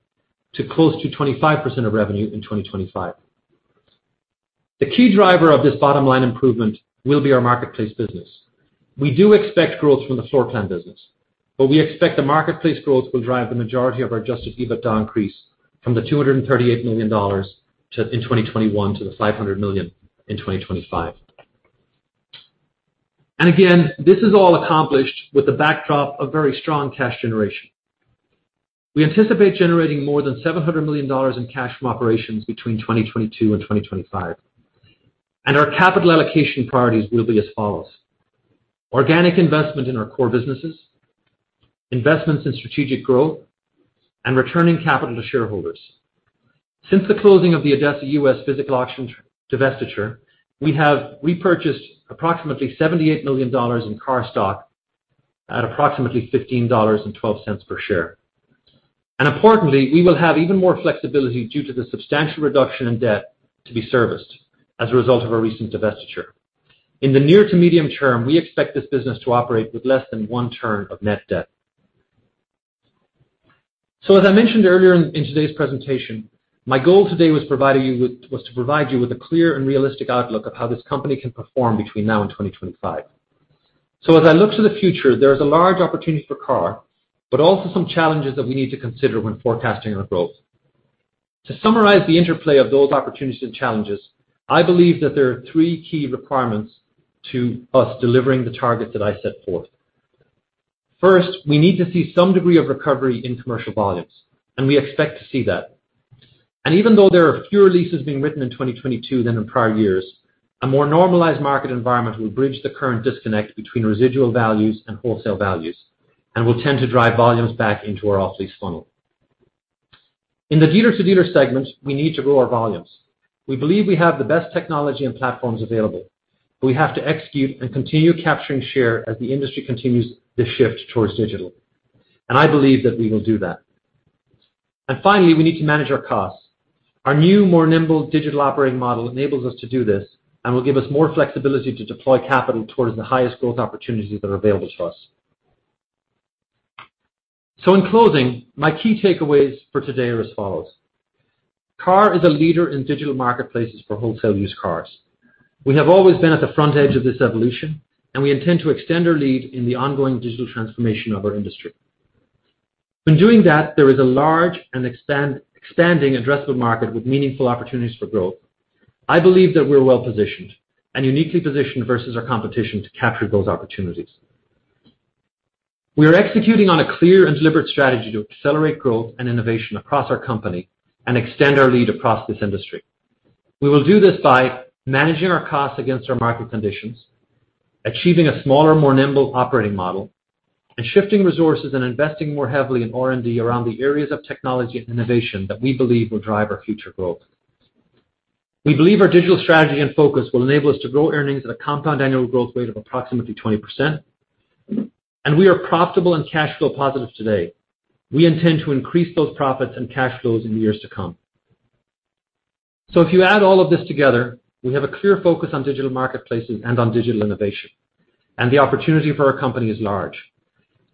to close to 25% of revenue in 2025. The key driver of this bottom-line improvement will be our marketplace business. We do expect growth from the floorplan business, but we expect the marketplace growth will drive the majority of our Adjusted EBITDA increase from the $238 million in 2021 to the $500 million in 2025. Again, this is all accomplished with the backdrop of very strong cash generation. We anticipate generating more than $700 million in cash from operations between 2022 and 2025. Our capital allocation priorities will be as follows: organic investment in our core businesses, investments in strategic growth, and returning capital to shareholders. Since the closing of the ADESA U.S. physical auction divestiture, we have repurchased approximately $78 million in KAR stock at approximately $15.12 per share. Importantly, we will have even more flexibility due to the substantial reduction in debt to be serviced as a result of our recent divestiture. In the near to medium term, we expect this business to operate with less than one turn of net debt. As I mentioned earlier in today's presentation, my goal today was to provide you with a clear and realistic outlook of how this company can perform between now and 2025. As I look to the future, there's a large opportunity for KAR, but also some challenges that we need to consider when forecasting our growth. To summarize the interplay of those opportunities and challenges, I believe that there are three key requirements to us delivering the targets that I set forth. First, we need to see some degree of recovery in commercial volumes, and we expect to see that. Even though there are fewer leases being written in 2022 than in prior years, a more normalized market environment will bridge the current disconnect between residual values and wholesale values and will tend to drive volumes back into our off-lease funnel. In the dealer-to-dealer segment, we need to grow our volumes. We believe we have the best technology and platforms available, but we have to execute and continue capturing share as the industry continues to shift towards digital. I believe that we will do that. Finally, we need to manage our costs. Our new, more nimble digital operating model enables us to do this and will give us more flexibility to deploy capital towards the highest growth opportunities that are available to us. In closing, my key takeaways for today are as follows: KAR is a leader in digital marketplaces for wholesale used cars. We have always been at the front edge of this evolution, and we intend to extend our lead in the ongoing digital transformation of our industry. In doing that, there is a large and expanding addressable market with meaningful opportunities for growth. I believe that we're well-positioned and uniquely positioned versus our competition to capture those opportunities. We are executing on a clear and deliberate strategy to accelerate growth and innovation across our company and extend our lead across this industry. We will do this by managing our costs against our market conditions, achieving a smaller, more nimble operating model, and shifting resources and investing more heavily in R&D around the areas of technology and innovation that we believe will drive our future growth. We believe our digital strategy and focus will enable us to grow earnings at a compound annual growth rate of approximately 20%. We are profitable and cash flow positive today. We intend to increase those profits and cash flows in the years to come. If you add all of this together, we have a clear focus on digital marketplaces and on digital innovation, and the opportunity for our company is large.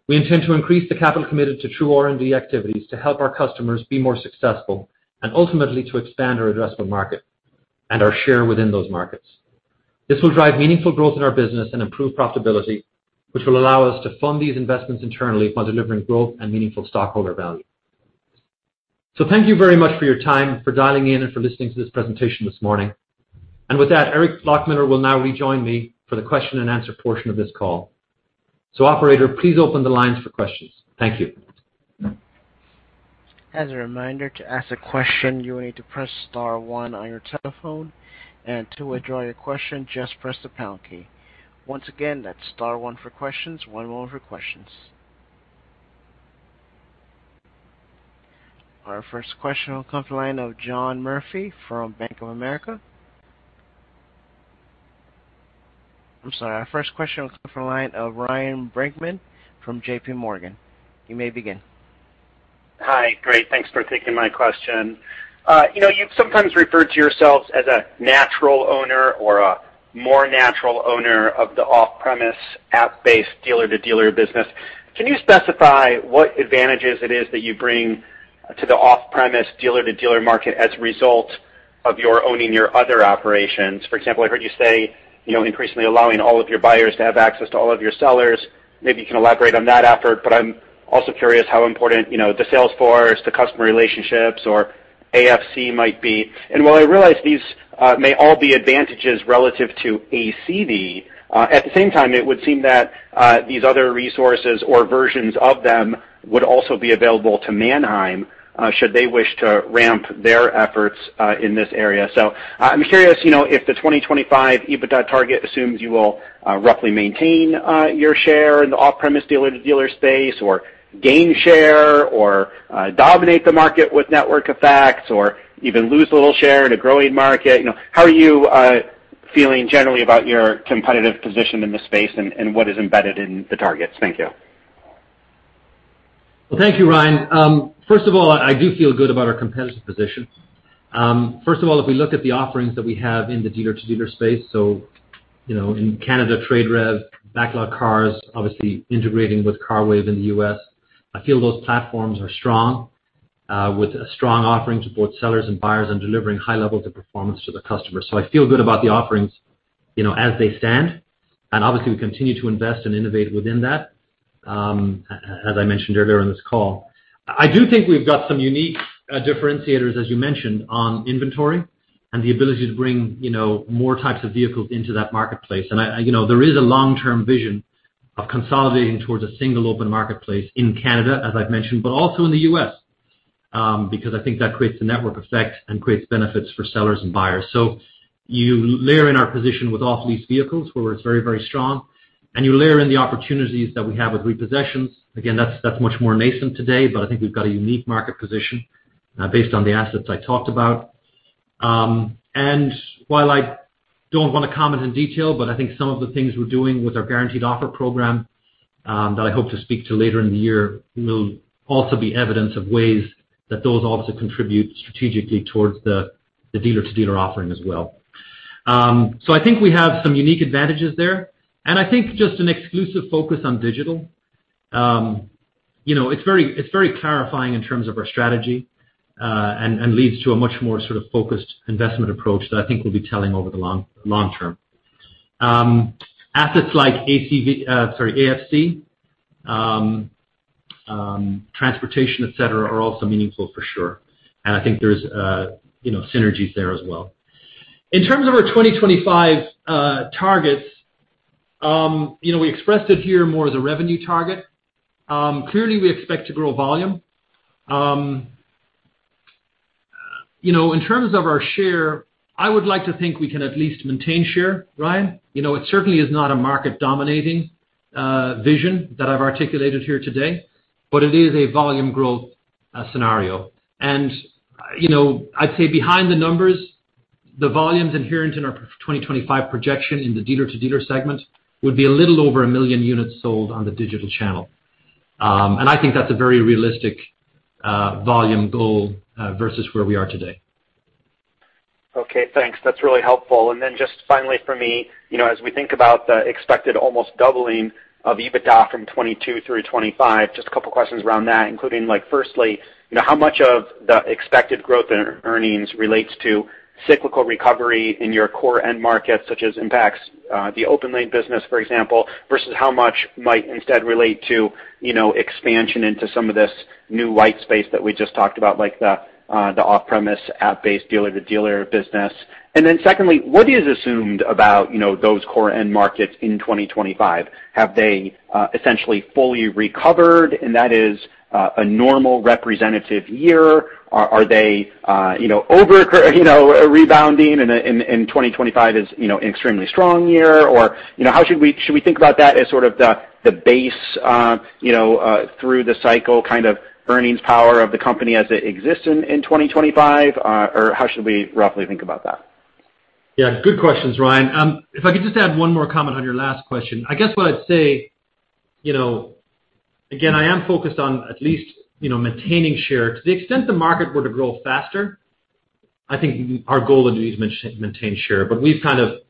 We intend to increase the capital committed to true R&D activities to help our customers be more successful and ultimately to expand our addressable market and our share within those markets. This will drive meaningful growth in our business and improve profitability, which will allow us to fund these investments internally while delivering growth and meaningful stockholder value. Thank you very much for your time, for dialing in, and for listening to this presentation this morning. With that, Eric Loughmiller will now rejoin me for the question-and-answer portion of this call. Operator, please open the lines for questions. Thank you. As a reminder, to ask a question, you will need to press star one on your telephone, and to withdraw your question, just press the pound key. Once again, that's star one for questions, on hold for questions. Our first question will come from the line of Ryan Brinkman from JPMorgan. You may begin. Hi. Great. Thanks for taking my question. You know, you've sometimes referred to yourselves as a natural owner or a more natural owner of the off-lease app-based dealer-to-dealer business. Can you specify what advantages it is that you bring to the off-lease dealer-to-dealer market as a result of your owning your other operations? For example, I heard you say, you know, increasingly allowing all of your buyers to have access to all of your sellers. Maybe you can elaborate on that effort, but I'm also curious how important, you know, the sales force, the customer relationships or AFC might be. While I realize these may all be advantages relative to ACV, at the same time, it would seem that these other resources or versions of them would also be available to Manheim, should they wish to ramp their efforts in this area. I'm curious, you know, if the 2025 EBITDA target assumes you will roughly maintain your share in the off-lease dealer-to-dealer space or gain share or dominate the market with network effects or even lose a little share in a growing market. You know, how are you feeling generally about your competitive position in the space and what is embedded in the targets? Thank you. Well, thank you, Ryan. First of all, I do feel good about our competitive position. First of all, if we look at the offerings that we have in the dealer-to-dealer space, so, you know, in Canada, TradeRev, BacklotCars, obviously integrating with CARWAVE in the U.S. I feel those platforms are strong, with a strong offering to both sellers and buyers and delivering high levels of performance to the customer. I feel good about the offerings, you know, as they stand, and obviously, we continue to invest and innovate within that. As I mentioned earlier in this call, I do think we've got some unique differentiators, as you mentioned, on inventory and the ability to bring, you know, more types of vehicles into that marketplace. You know, there is a long-term vision of consolidating towards a single open marketplace in Canada, as I've mentioned, but also in the U.S., because I think that creates a network effect and creates benefits for sellers and buyers. You layer in our position with off-lease vehicles, where it's very, very strong, and you layer in the opportunities that we have with repossessions. Again, that's much more nascent today, but I think we've got a unique market position, based on the assets I talked about. While I don't wanna comment in detail, but I think some of the things we're doing with our guaranteed offer program, that I hope to speak to later in the year, will also be evidence of ways that those also contribute strategically towards the dealer-to-dealer offering as well. I think we have some unique advantages there, and I think just an exclusive focus on digital. You know, it's very clarifying in terms of our strategy, and leads to a much more sort of focused investment approach that I think will be telling over the long, long term. Assets like AFC, transportation, et cetera, are also meaningful for sure, and I think there's, you know, synergies there as well. In terms of our 2025 targets, you know, we expressed it here more as a revenue target. Clearly, we expect to grow volume. You know, in terms of our share, I would like to think we can at least maintain share, Ryan. You know, it certainly is not a market dominating vision that I've articulated here today, but it is a volume growth scenario. You know, I'd say behind the numbers, the volumes inherent in our 2025 projection in the dealer-to-dealer segment would be a little over a million units sold on the digital channel. I think that's a very realistic volume goal versus where we are today. Okay, thanks. That's really helpful. Just finally for me, you know, as we think about the expected almost doubling of EBITDA from 2022 through 2025, just a couple questions around that, including like, firstly, you know, how much of the expected growth in earnings relates to cyclical recovery in your core end markets, such as impacts, the OPENLANE business, for example, versus how much might instead relate to, you know, expansion into some of this new white space that we just talked about, like the off-lease app-based dealer-to-dealer business? Secondly, what is assumed about, you know, those core end markets in 2025? Have they essentially fully recovered, and that is a normal representative year? Are they, you know, over, you know, rebounding and 2025 is, you know, an extremely strong year? You know, should we think about that as sort of the base, you know, through the cycle kind of earnings power of the company as it exists in 2025? How should we roughly think about that? Yeah, good questions, Ryan. If I could just add one more comment on your last question. I guess what I'd say, you know, again, I am focused on at least, you know, maintaining share. To the extent the market were to grow faster, I think our goal would be to maintain share. But we've kind of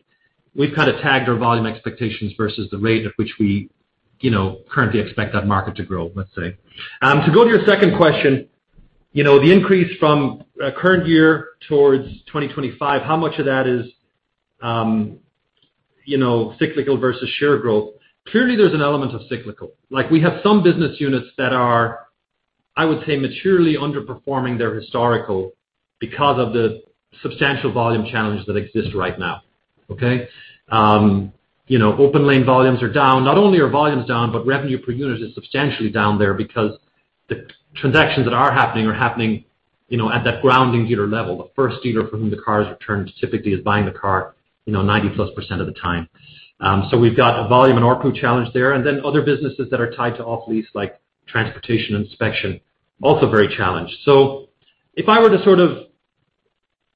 tagged our volume expectations versus the rate at which we, you know, currently expect that market to grow, let's say. To go to your second question, you know, the increase from current year towards 2025, how much of that is, you know, cyclical versus share growth? Clearly, there's an element of cyclical. Like, we have some business units that are, I would say, materially underperforming their historical because of the substantial volume challenges that exist right now, okay? You know, OPENLANE volumes are down. Not only are volumes down, but revenue per unit is substantially down there because the transactions that are happening are happening, you know, at that grounding dealer level. The first dealer for whom the car is returned typically is buying the car, you know, 90%+ of the time. We've got a volume and ARPU challenge there, and then other businesses that are tied to off-lease, like transportation, inspection, also very challenged. If I were to sort of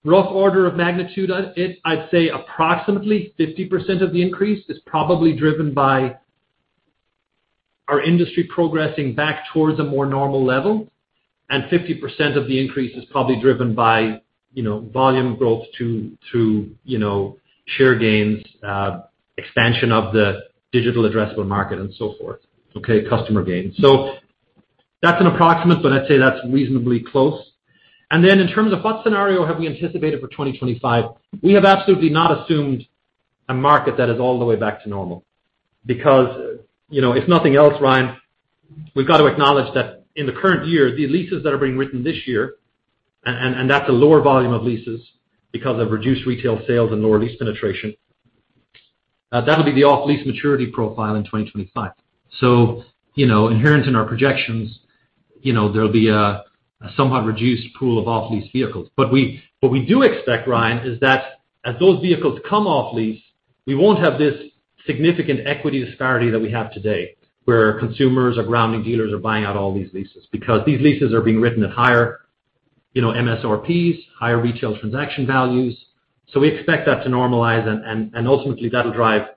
rough order of magnitude it, I'd say approximately 50% of the increase is probably driven by our industry progressing back towards a more normal level, and 50% of the increase is probably driven by, you know, volume growth to, you know, share gains, expansion of the digital addressable market and so forth, okay, customer gains. That's an approximate, but I'd say that's reasonably close. In terms of what scenario have we anticipated for 2025, we have absolutely not assumed a market that is all the way back to normal. Because, you know, if nothing else, Ryan, we've got to acknowledge that in the current year, the leases that are being written this year, and that's a lower volume of leases because of reduced retail sales and lower lease penetration, that'll be the off-lease maturity profile in 2025. You know, inherent in our projections, you know, there'll be a somewhat reduced pool of off-lease vehicles. What we do expect, Ryan, is that as those vehicles come off lease, we won't have this significant equity disparity that we have today, where consumers or grounding dealers are buying out all these leases. Because these leases are being written at higher, you know, MSRPs, higher retail transaction values. We expect that to normalize and ultimately, that'll drive,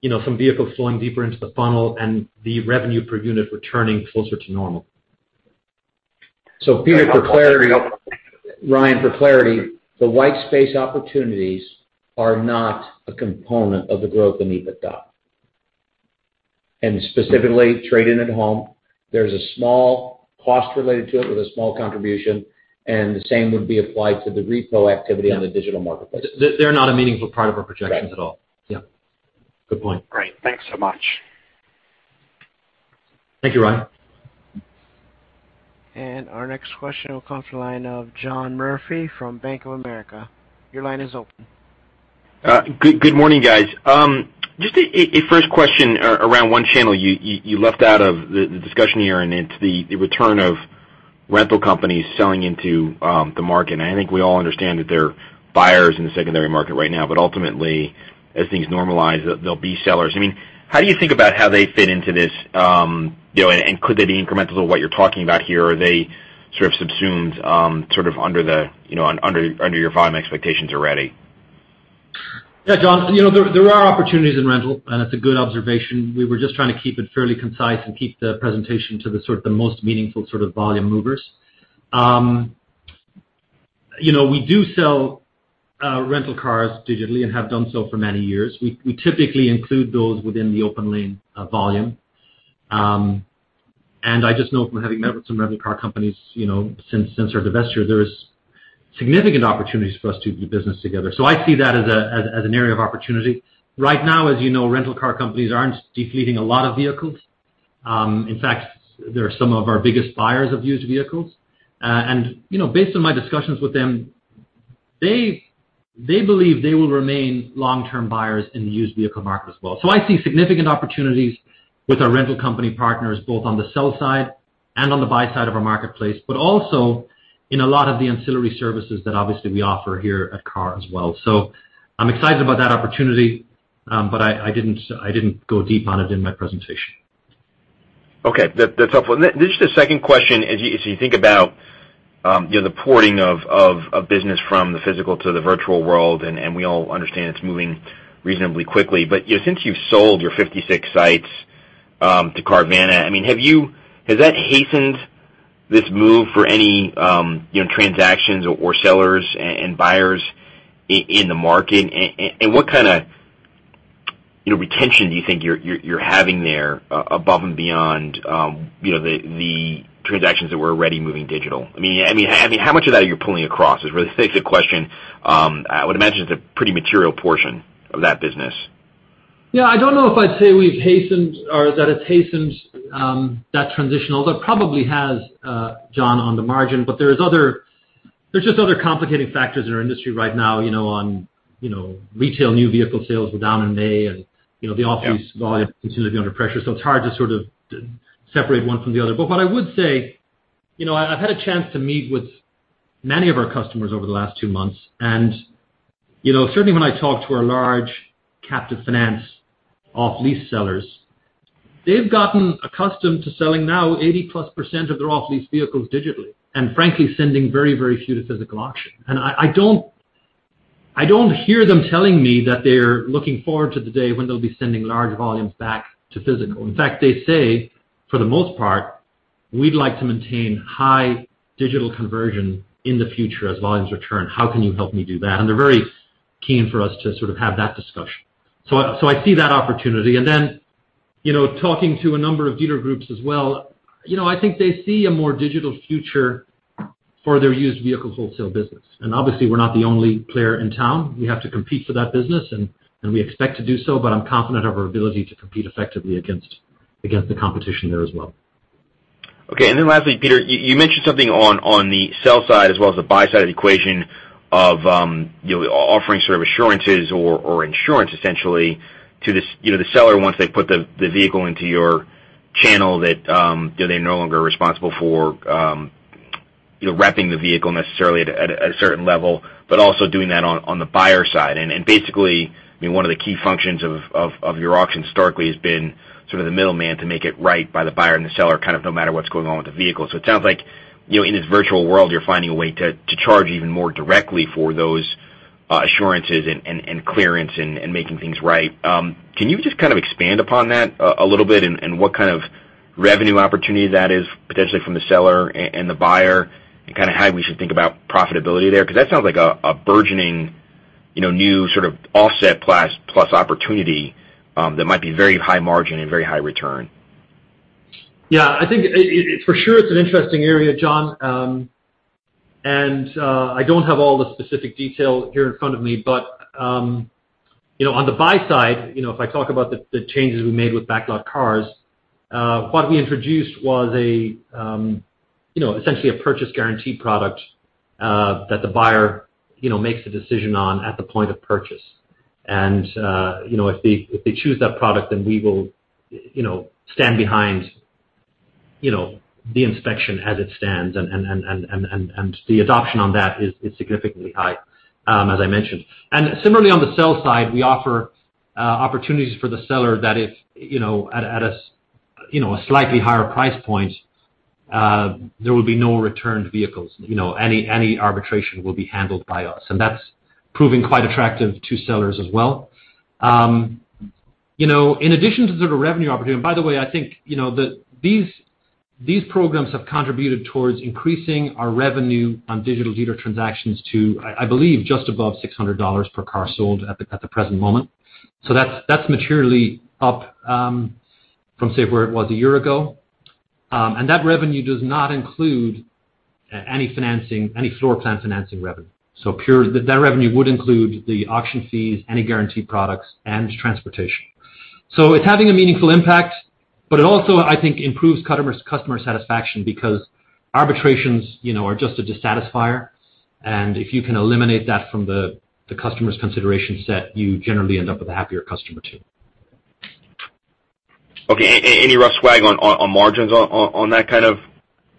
you know, some vehicles flowing deeper into the funnel and the revenue per unit returning closer to normal. Peter, for clarity, Ryan, for clarity, the white space opportunities are not a component of the growth in EBITDA. Specifically Trade-in at Home. There's a small cost related to it with a small contribution, and the same would be applied to the repo activity. Yeah. on the digital marketplace. They're not a meaningful part of our projections at all. Right. Yeah. Good point. Great. Thanks so much. Thank you, Ryan. Our next question will come through line of John Murphy from Bank of America. Your line is open. Good morning, guys. Just a first question around one channel you left out of the discussion here, and it's the return of rental companies selling into the market. I think we all understand that they're buyers in the secondary market right now, but ultimately, as things normalize, they'll be sellers. I mean, how do you think about how they fit into this, you know, and could they be incremental to what you're talking about here? Are they sort of subsumed, sort of under the, you know, under your volume expectations already? Yeah, John, you know, there are opportunities in rental, and it's a good observation. We were just trying to keep it fairly concise and keep the presentation to the sort of the most meaningful sort of volume movers. You know, we do sell rental cars digitally and have done so for many years. We typically include those within the OPENLANE volume. I just know from having met with some rental car companies, you know, since our divesture, there is significant opportunities for us to do business together. I see that as an area of opportunity. Right now, as you know, rental car companies aren't depleting a lot of vehicles. In fact, they're some of our biggest buyers of used vehicles. You know, based on my discussions with them, they believe they will remain long-term buyers in the used vehicle market as well. I see significant opportunities with our rental company partners, both on the sell side and on the buy side of our marketplace, but also in a lot of the ancillary services that obviously we offer here at KAR as well. I'm excited about that opportunity, but I didn't go deep on it in my presentation. Okay. That's helpful. Just a second question, as you think about, you know, the porting of business from the physical to the virtual world, and we all understand it's moving reasonably quickly. You know, since you've sold your 56 sites to Carvana, I mean, has that hastened this move for any, you know, transactions or sellers and buyers in the market? What kinda, you know, retention do you think you're having there above and beyond, you know, the transactions that were already moving digital? I mean, how much of that are you pulling across, is really basically the question. I would imagine it's a pretty material portion of that business. Yeah. I don't know if I'd say we've hastened or that it hastens that transition, although it probably has, John, on the margin. There's just other complicating factors in our industry right now, you know, on, you know, retail new vehicle sales were down in May and, you know, the off-lease Yeah. Volume continues to be under pressure, so it's hard to sort of separate one from the other. What I would say, you know, I've had a chance to meet with many of our customers over the last two months, and, you know, certainly when I talk to our large captive finance off-lease sellers, they've gotten accustomed to selling now 80%+ of their off-lease vehicles digitally, and frankly, sending very, very few to physical auction. I don't hear them telling me that they're looking forward to the day when they'll be sending large volumes back to physical. In fact, they say, for the most part, "We'd like to maintain high digital conversion in the future as volumes return. How can you help me do that?" They're very keen for us to sort of have that discussion. I see that opportunity. Then, you know, talking to a number of dealer groups as well, you know, I think they see a more digital future for their used vehicle wholesale business. Obviously, we're not the only player in town. We have to compete for that business, and we expect to do so, but I'm confident of our ability to compete effectively against the competition there as well. Okay. Lastly, Peter, you mentioned something on the sell side as well as the buy side of the equation of, you know, offering sort of assurances or insurance essentially to the seller once they put the vehicle into your channel that they're no longer responsible for, you know, repping the vehicle necessarily at a certain level, but also doing that on the buyer side. Basically, I mean, one of the key functions of your auction historically has been sort of the middleman to make it right by the buyer and the seller, kind of no matter what's going on with the vehicle. It sounds like, you know, in this virtual world, you're finding a way to charge even more directly for those assurances and clearance and making things right. Can you just kind of expand upon that a little bit and what kind of revenue opportunity that is potentially from the seller and the buyer and kinda how we should think about profitability there? 'Cause that sounds like a burgeoning, you know, new sort of offset plus opportunity that might be very high margin and very high return. Yeah. I think for sure it's an interesting area, John. I don't have all the specific detail here in front of me, but you know, on the buy side, you know, if I talk about the changes we made with BacklotCars, what we introduced was you know, essentially a purchase guarantee product that the buyer you know, makes a decision on at the point of purchase. You know, if they choose that product, then we will you know, stand behind you know, the inspection as it stands. The adoption on that is significantly high, as I mentioned. Similarly on the sell side, we offer opportunities for the seller that if, you know, at a slightly higher price point, there will be no returned vehicles. You know, any arbitration will be handled by us, and that's proving quite attractive to sellers as well. You know, in addition to the sort of revenue opportunity. By the way, I think, you know, these programs have contributed towards increasing our revenue on digital dealer transactions to, I believe just above $600 per car sold at the present moment. That's materially up from, say, where it was a year ago. That revenue does not include any financing, any floor plan financing revenue. That revenue would include the auction fees, any guaranteed products, and transportation. It's having a meaningful impact, but it also, I think, improves customers, customer satisfaction because arbitrations, you know, are just a dissatisfier. If you can eliminate that from the customer's consideration set, you generally end up with a happier customer too. Okay. Any rough swag on margins on that kind of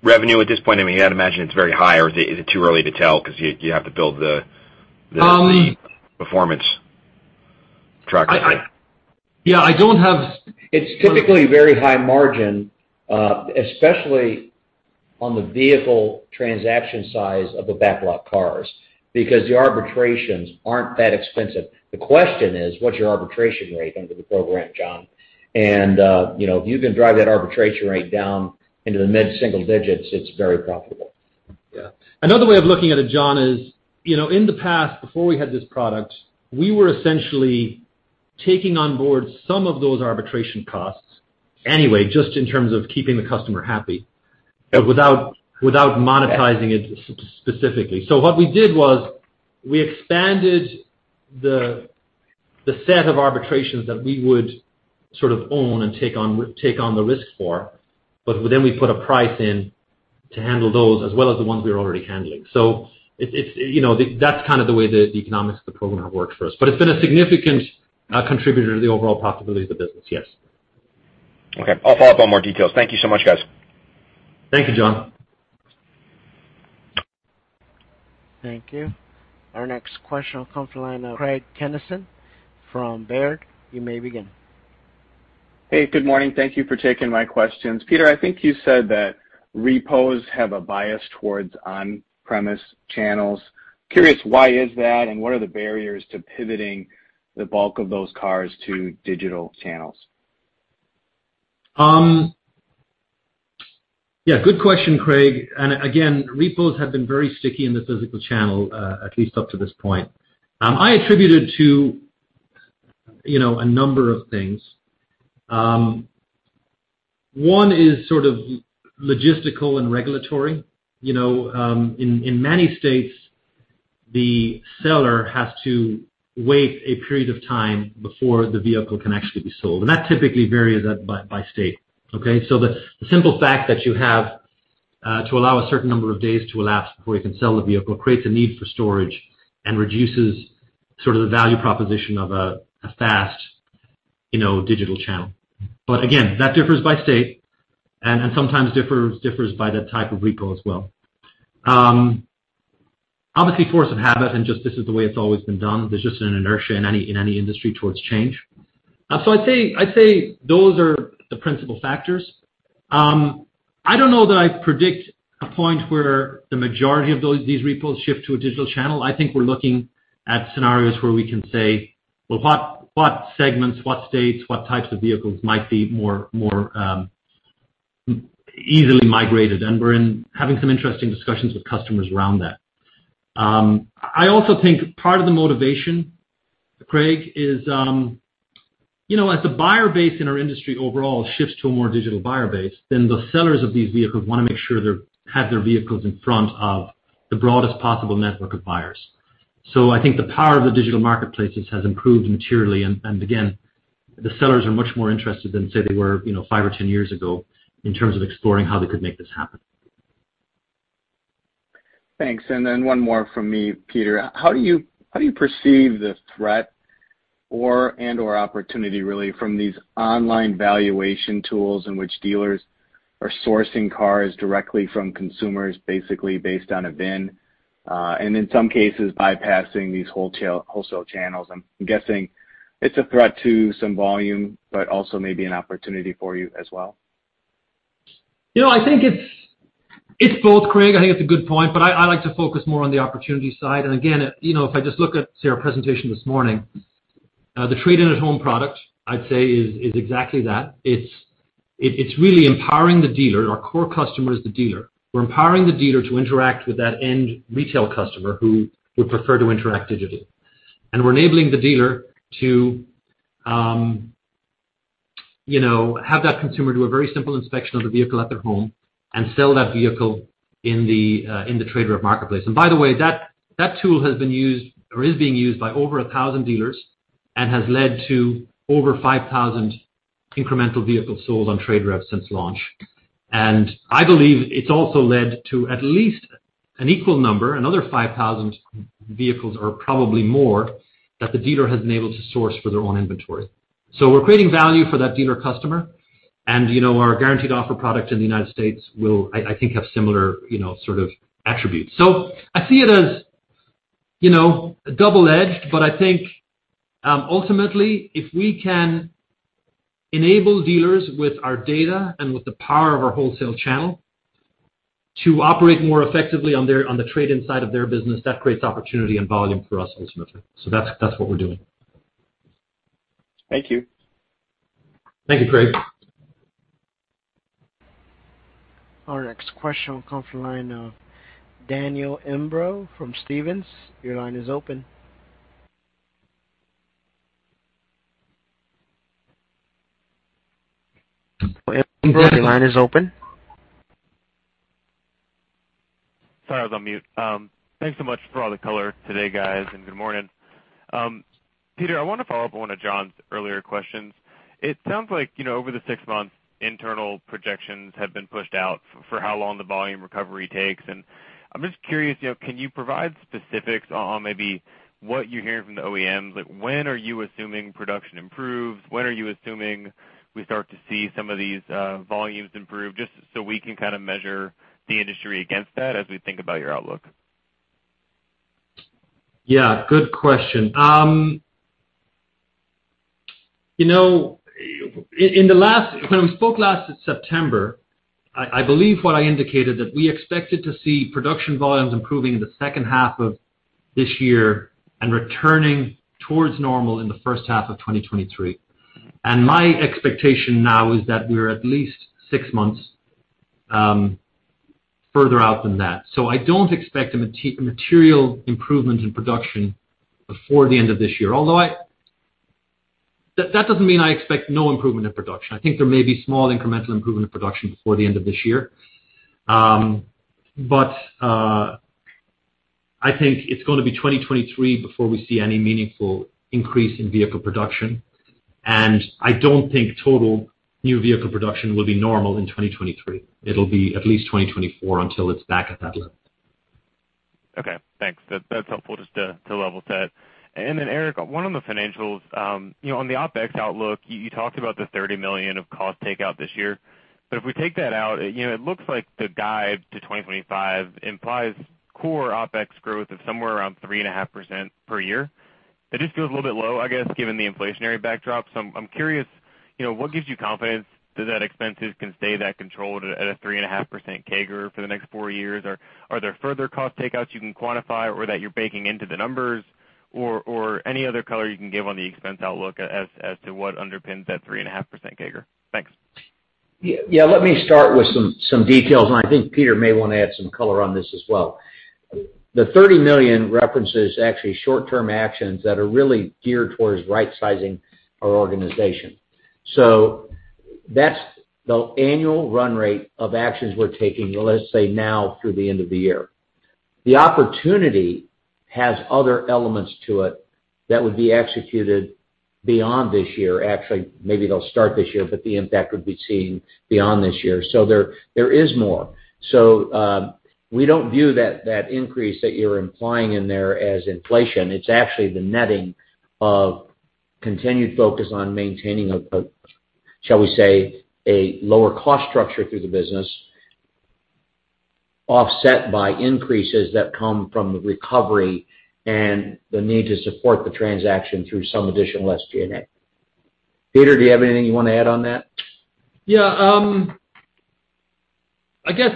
revenue at this point? I mean, I'd imagine it's very high or is it too early to tell because you have to build the Um- performance track record? Yeah, I don't have. It's typically very high margin, especially on the vehicle transaction size of the BacklotCars because the arbitrations aren't that expensive. The question is, what's your arbitration rate under the program, John? You know, if you can drive that arbitration rate down into the mid-single digits, it's very profitable. Yeah. Another way of looking at it, John, is, you know, in the past, before we had this product, we were essentially taking on board some of those arbitration costs anyway, just in terms of keeping the customer happy. Yeah Without monetizing it specifically. What we did was we expanded the set of arbitrations that we would sort of own and take on the risk for, but then we put a price in to handle those as well as the ones we were already handling. It's, you know, that's kind of the way the economics of the program have worked for us. It's been a significant contributor to the overall profitability of the business, yes. Okay. I'll follow up on more details. Thank you so much, guys. Thank you, John. Thank you. Our next question will come from the line of Craig Kennison from Baird. You may begin. Hey, good morning. Thank you for taking my questions. Peter, I think you said that repos have a bias towards on-premise channels. Curious, why is that, and what are the barriers to pivoting the bulk of those cars to digital channels? Yeah, good question, Craig. Again, repos have been very sticky in the physical channel, at least up to this point. I attribute it to, you know, a number of things. One is sort of logistical and regulatory. You know, in many states, the seller has to wait a period of time before the vehicle can actually be sold, and that typically varies by state, okay? The simple fact that you have to allow a certain number of days to elapse before you can sell the vehicle creates a need for storage and reduces sort of the value proposition of a fast, you know, digital channel. Again, that differs by state and sometimes differs by the type of repo as well. Obviously, force of habit and just this is the way it's always been done. There's just an inertia in any industry towards change. I'd say those are the principal factors. I don't know that I predict a point where the majority of these repos shift to a digital channel. I think we're looking at scenarios where we can say, "What segments, what states, what types of vehicles might be more easily migrated?" We're having some interesting discussions with customers around that. I also think part of the motivation, Craig, is, you know, as the buyer base in our industry overall shifts to a more digital buyer base, then the sellers of these vehicles wanna make sure they have their vehicles in front of the broadest possible network of buyers. I think the power of the digital marketplaces has improved materially. Again, the sellers are much more interested than, say, they were, you know, five or 10 years ago in terms of exploring how they could make this happen. Thanks. One more from me, Peter. How do you perceive the threat or and/or opportunity really from these online valuation tools in which dealers are sourcing cars directly from consumers basically based on a VIN, and in some cases bypassing these wholesale channels? I'm guessing it's a threat to some volume, but also maybe an opportunity for you as well. You know, I think it's both, Craig. I think it's a good point. I like to focus more on the opportunity side. Again, you know, if I just look at, say, our presentation this morning, the Trade-in at Home product, I'd say, is exactly that. It's really empowering the dealer. Our core customer is the dealer. We're empowering the dealer to interact with that end retail customer who would prefer to interact digitally. We're enabling the dealer to, you know, have that consumer do a very simple inspection of the vehicle at their home and sell that vehicle in the TradeRev marketplace. By the way, that tool has been used or is being used by over 1,000 dealers and has led to over 5,000 incremental vehicles sold on TradeRev since launch. I believe it's also led to at least an equal number, another 5,000 vehicles or probably more, that the dealer has been able to source for their own inventory. We're creating value for that dealer customer. You know, our guaranteed offer product in the United States will, I think, have similar, you know, sort of attributes. I see it as, you know, double-edged, but I think, ultimately, if we can enable dealers with our data and with the power of our wholesale channel to operate more effectively on the trade-in side of their business, that creates opportunity and volume for us ultimately. That's what we're doing. Thank you. Thank you, Craig. Our next question will come from the line of Daniel Imbro from Stephens. Your line is open. Your line is open. Sorry, I was on mute. Thanks so much for all the color today, guys, and good morning. Peter, I want to follow up on one of John's earlier questions. It sounds like, you know, over the six months, internal projections have been pushed out for how long the volume recovery takes. I'm just curious, you know, can you provide specifics on maybe what you're hearing from the OEMs? Like, when are you assuming production improves? When are you assuming we start to see some of these volumes improve? Just so we can kind of measure the industry against that as we think about your outlook. Yeah, good question. You know, in the last when we spoke last September, I believe what I indicated that we expected to see production volumes improving in the second half of this year and returning towards normal in the first half of 2023. My expectation now is that we are at least six months further out than that. I don't expect a material improvement in production before the end of this year. That doesn't mean I expect no improvement in production. I think there may be small incremental improvement in production before the end of this year. I think it's gonna be 2023 before we see any meaningful increase in vehicle production. I don't think total new vehicle production will be normal in 2023. It'll be at least 2024 until it's back at that level. Okay. Thanks. That's helpful just to level set. Then, Eric, one on the financials. You know, on the OpEx outlook, you talked about the $30 million of cost takeout this year. If we take that out, you know, it looks like the guide to 2025 implies core OpEx growth of somewhere around 3.5% per year. It just feels a little bit low, I guess, given the inflationary backdrop. I'm curious, you know, what gives you confidence that expenses can stay that controlled at a 3.5% CAGR for the next four years? Or are there further cost takeouts you can quantify or that you're baking into the numbers? Or any other color you can give on the expense outlook as to what underpins that 3.5% CAGR? Thanks. Yeah. Let me start with some details, and I think Peter may wanna add some color on this as well. The $30 million references actually short-term actions that are really geared towards rightsizing our organization. That's the annual run rate of actions we're taking, let's say now through the end of the year. The opportunity has other elements to it that would be executed beyond this year. Actually, maybe they'll start this year, but the impact would be seen beyond this year. There is more. We don't view that increase that you're implying in there as inflation. It's actually the netting of continued focus on maintaining a, shall we say, a lower cost structure through the business, offset by increases that come from the recovery and the need to support the transaction through some additional SG&A. Peter, do you have anything you wanna add on that? Yeah. I guess,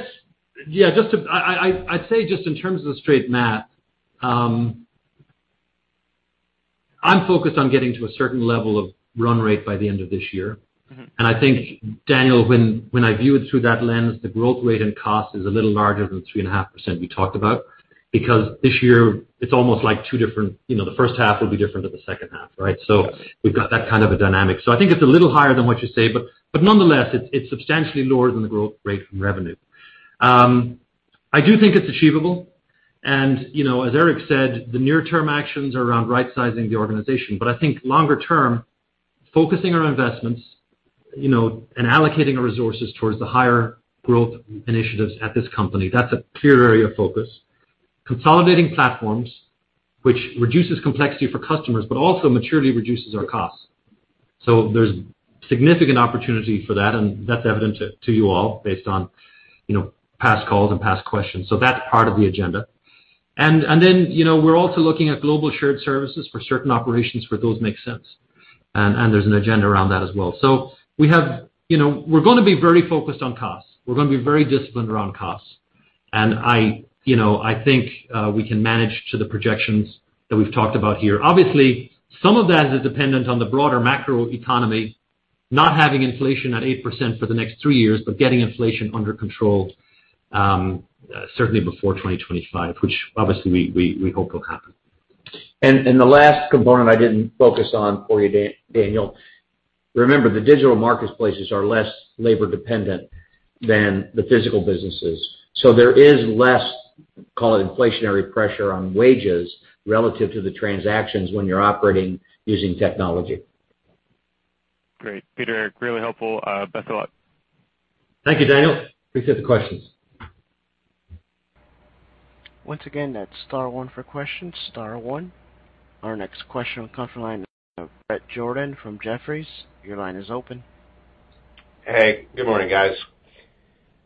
yeah, I say just in terms of the straight math, I'm focused on getting to a certain level of run rate by the end of this year. Mm-hmm. I think, Daniel, when I view it through that lens, the growth rate and cost is a little larger than 3.5% we talked about because this year it's almost like two different, you know, the first half will be different than the second half, right? Yes. We've got that kind of a dynamic. I think it's a little higher than what you say, but nonetheless, it's substantially lower than the growth rate from revenue. I do think it's achievable. You know, as Eric said, the near-term actions are around rightsizing the organization. I think longer term, focusing our investments, you know, and allocating our resources towards the higher growth initiatives at this company, that's a clear area of focus. Consolidating platforms, which reduces complexity for customers, but also maturity reduces our costs. There's significant opportunity for that, and that's evident to you all based on, you know, past calls and past questions. That's part of the agenda. Then, you know, we're also looking at global shared services for certain operations where those make sense. There's an agenda around that as well. You know, we're gonna be very focused on costs. We're gonna be very disciplined around costs. I, you know, I think we can manage to the projections that we've talked about here. Obviously, some of that is dependent on the broader macroeconomy, not having inflation at 8% for the next three years, but getting inflation under control, certainly before 2025, which obviously we hope will happen. The last component I didn't focus on for you, Daniel, remember, the digital marketplaces are less labor dependent than the physical businesses. There is less, call it inflationary pressure on wages relative to the transactions when you're operating using technology. Great. Peter, Eric, really helpful. Thanks a lot. Thank you, Daniel. Appreciate the questions. Once again, that's star one for questions, star one. Our next question on the conference line is from Bret Jordan from Jefferies. Your line is open. Hey. Good morning, guys.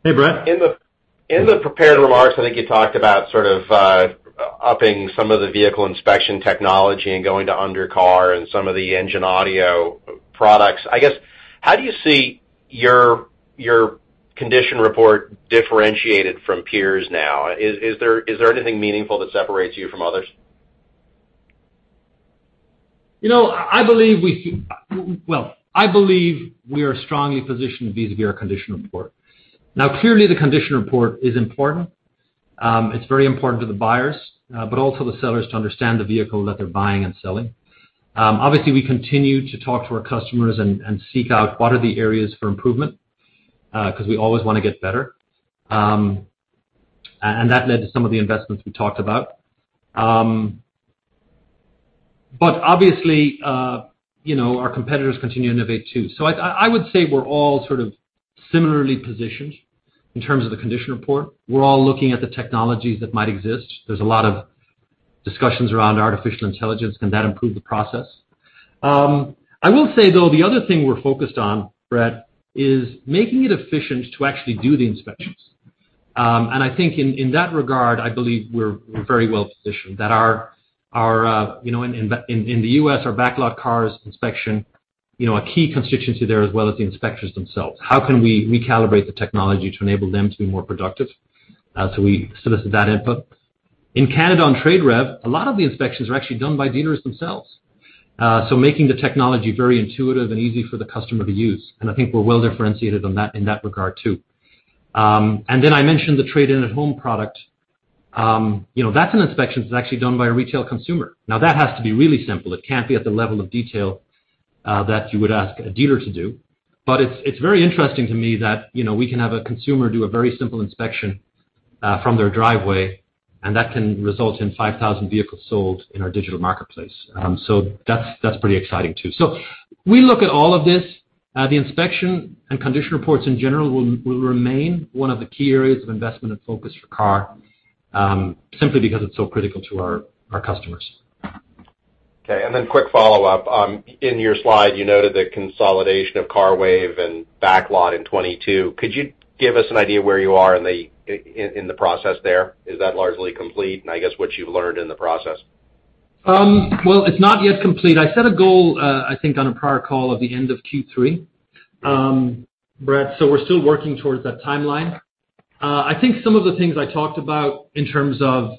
Hey, Bret. In the prepared remarks, I think you talked about sort of upping some of the vehicle inspection technology and going to under car and some of the engine audio products. I guess, how do you see your condition report differentiated from peers now? Is there anything meaningful that separates you from others? You know, Well, I believe we are strongly positioned vis-à-vis our condition report. Now, clearly, the condition report is important. It's very important to the buyers, but also the sellers to understand the vehicle that they're buying and selling. Obviously, we continue to talk to our customers and seek out what are the areas for improvement, because we always wanna get better. That led to some of the investments we talked about. Obviously, you know, our competitors continue to innovate too. I would say we're all sort of similarly positioned in terms of the condition report. We're all looking at the technologies that might exist. There's a lot of discussions around artificial intelligence. Can that improve the process? I will say though, the other thing we're focused on, Bret, is making it efficient to actually do the inspections. I think in that regard, I believe we're very well positioned. You know, in the U.S., our BacklotCars inspection, you know, a key constituency there, as well as the inspectors themselves. How can we recalibrate the technology to enable them to be more productive? We solicit that input. In Canada on TradeRev, a lot of the inspections are actually done by dealers themselves. Making the technology very intuitive and easy for the customer to use, and I think we're well differentiated in that regard too. I mentioned the Trade-in at Home product. You know, that's an inspection that's actually done by a retail consumer. Now that has to be really simple. It can't be at the level of detail that you would ask a dealer to do. But it's very interesting to me that, you know, we can have a consumer do a very simple inspection from their driveway, and that can result in 5,000 vehicles sold in our digital marketplace. That's pretty exciting too. We look at all of this. The inspection and condition reports in general will remain one of the key areas of investment and focus for KAR simply because it's so critical to our customers. Okay, quick follow-up. In your slide, you noted the consolidation of CARWAVE and Backlot in 2022. Could you give us an idea where you are in the process there? Is that largely complete? I guess what you've learned in the process. Well, it's not yet complete. I set a goal, I think on a prior call at the end of Q3, Bret, so we're still working towards that timeline. I think some of the things I talked about in terms of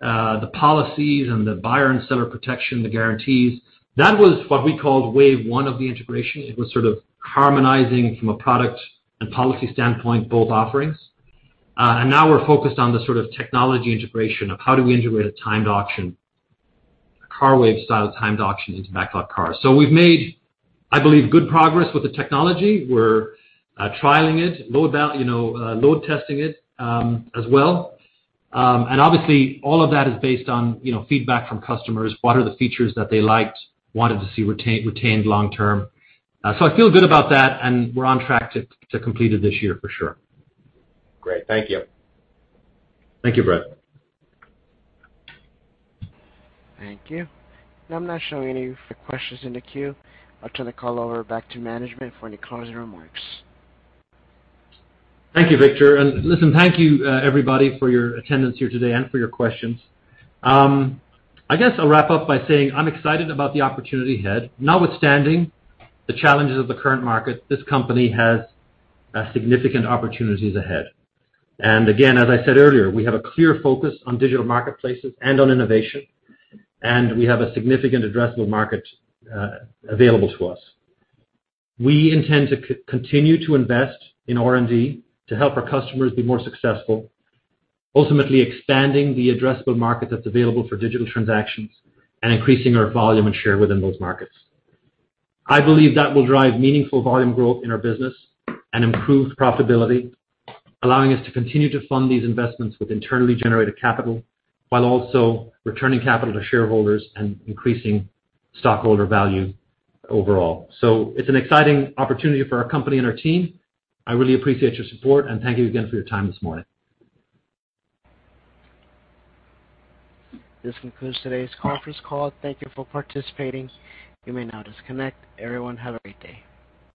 the policies and the buyer and seller protection, the guarantees, that was what we called wave one of the integration. It was sort of harmonizing from a product and policy standpoint, both offerings. Now we're focused on the sort of technology integration of how do we integrate a timed auction, CARWAVE style timed auction into BacklotCars. We've made, I believe, good progress with the technology. We're trialing it, you know, load testing it, as well. Obviously, all of that is based on, you know, feedback from customers. What are the features that they liked, wanted to see retained long term? I feel good about that, and we're on track to complete it this year for sure. Great. Thank you. Thank you, Bret. Thank you. Now I'm not showing any further questions in the queue. I'll turn the call over back to management for any closing remarks. Thank you, Victor. Listen, thank you, everybody for your attendance here today and for your questions. I guess I'll wrap up by saying I'm excited about the opportunity ahead. Notwithstanding the challenges of the current market, this company has significant opportunities ahead. Again, as I said earlier, we have a clear focus on digital marketplaces and on innovation, and we have a significant addressable market available to us. We intend to continue to invest in R&D to help our customers be more successful, ultimately expanding the addressable market that's available for digital transactions and increasing our volume and share within those markets. I believe that will drive meaningful volume growth in our business and improve profitability, allowing us to continue to fund these investments with internally generated capital, while also returning capital to shareholders and increasing stockholder value overall. It's an exciting opportunity for our company and our team. I really appreciate your support, and thank you again for your time this morning. This concludes today's conference call. Thank you for participating. You may now disconnect. Everyone, have a great day.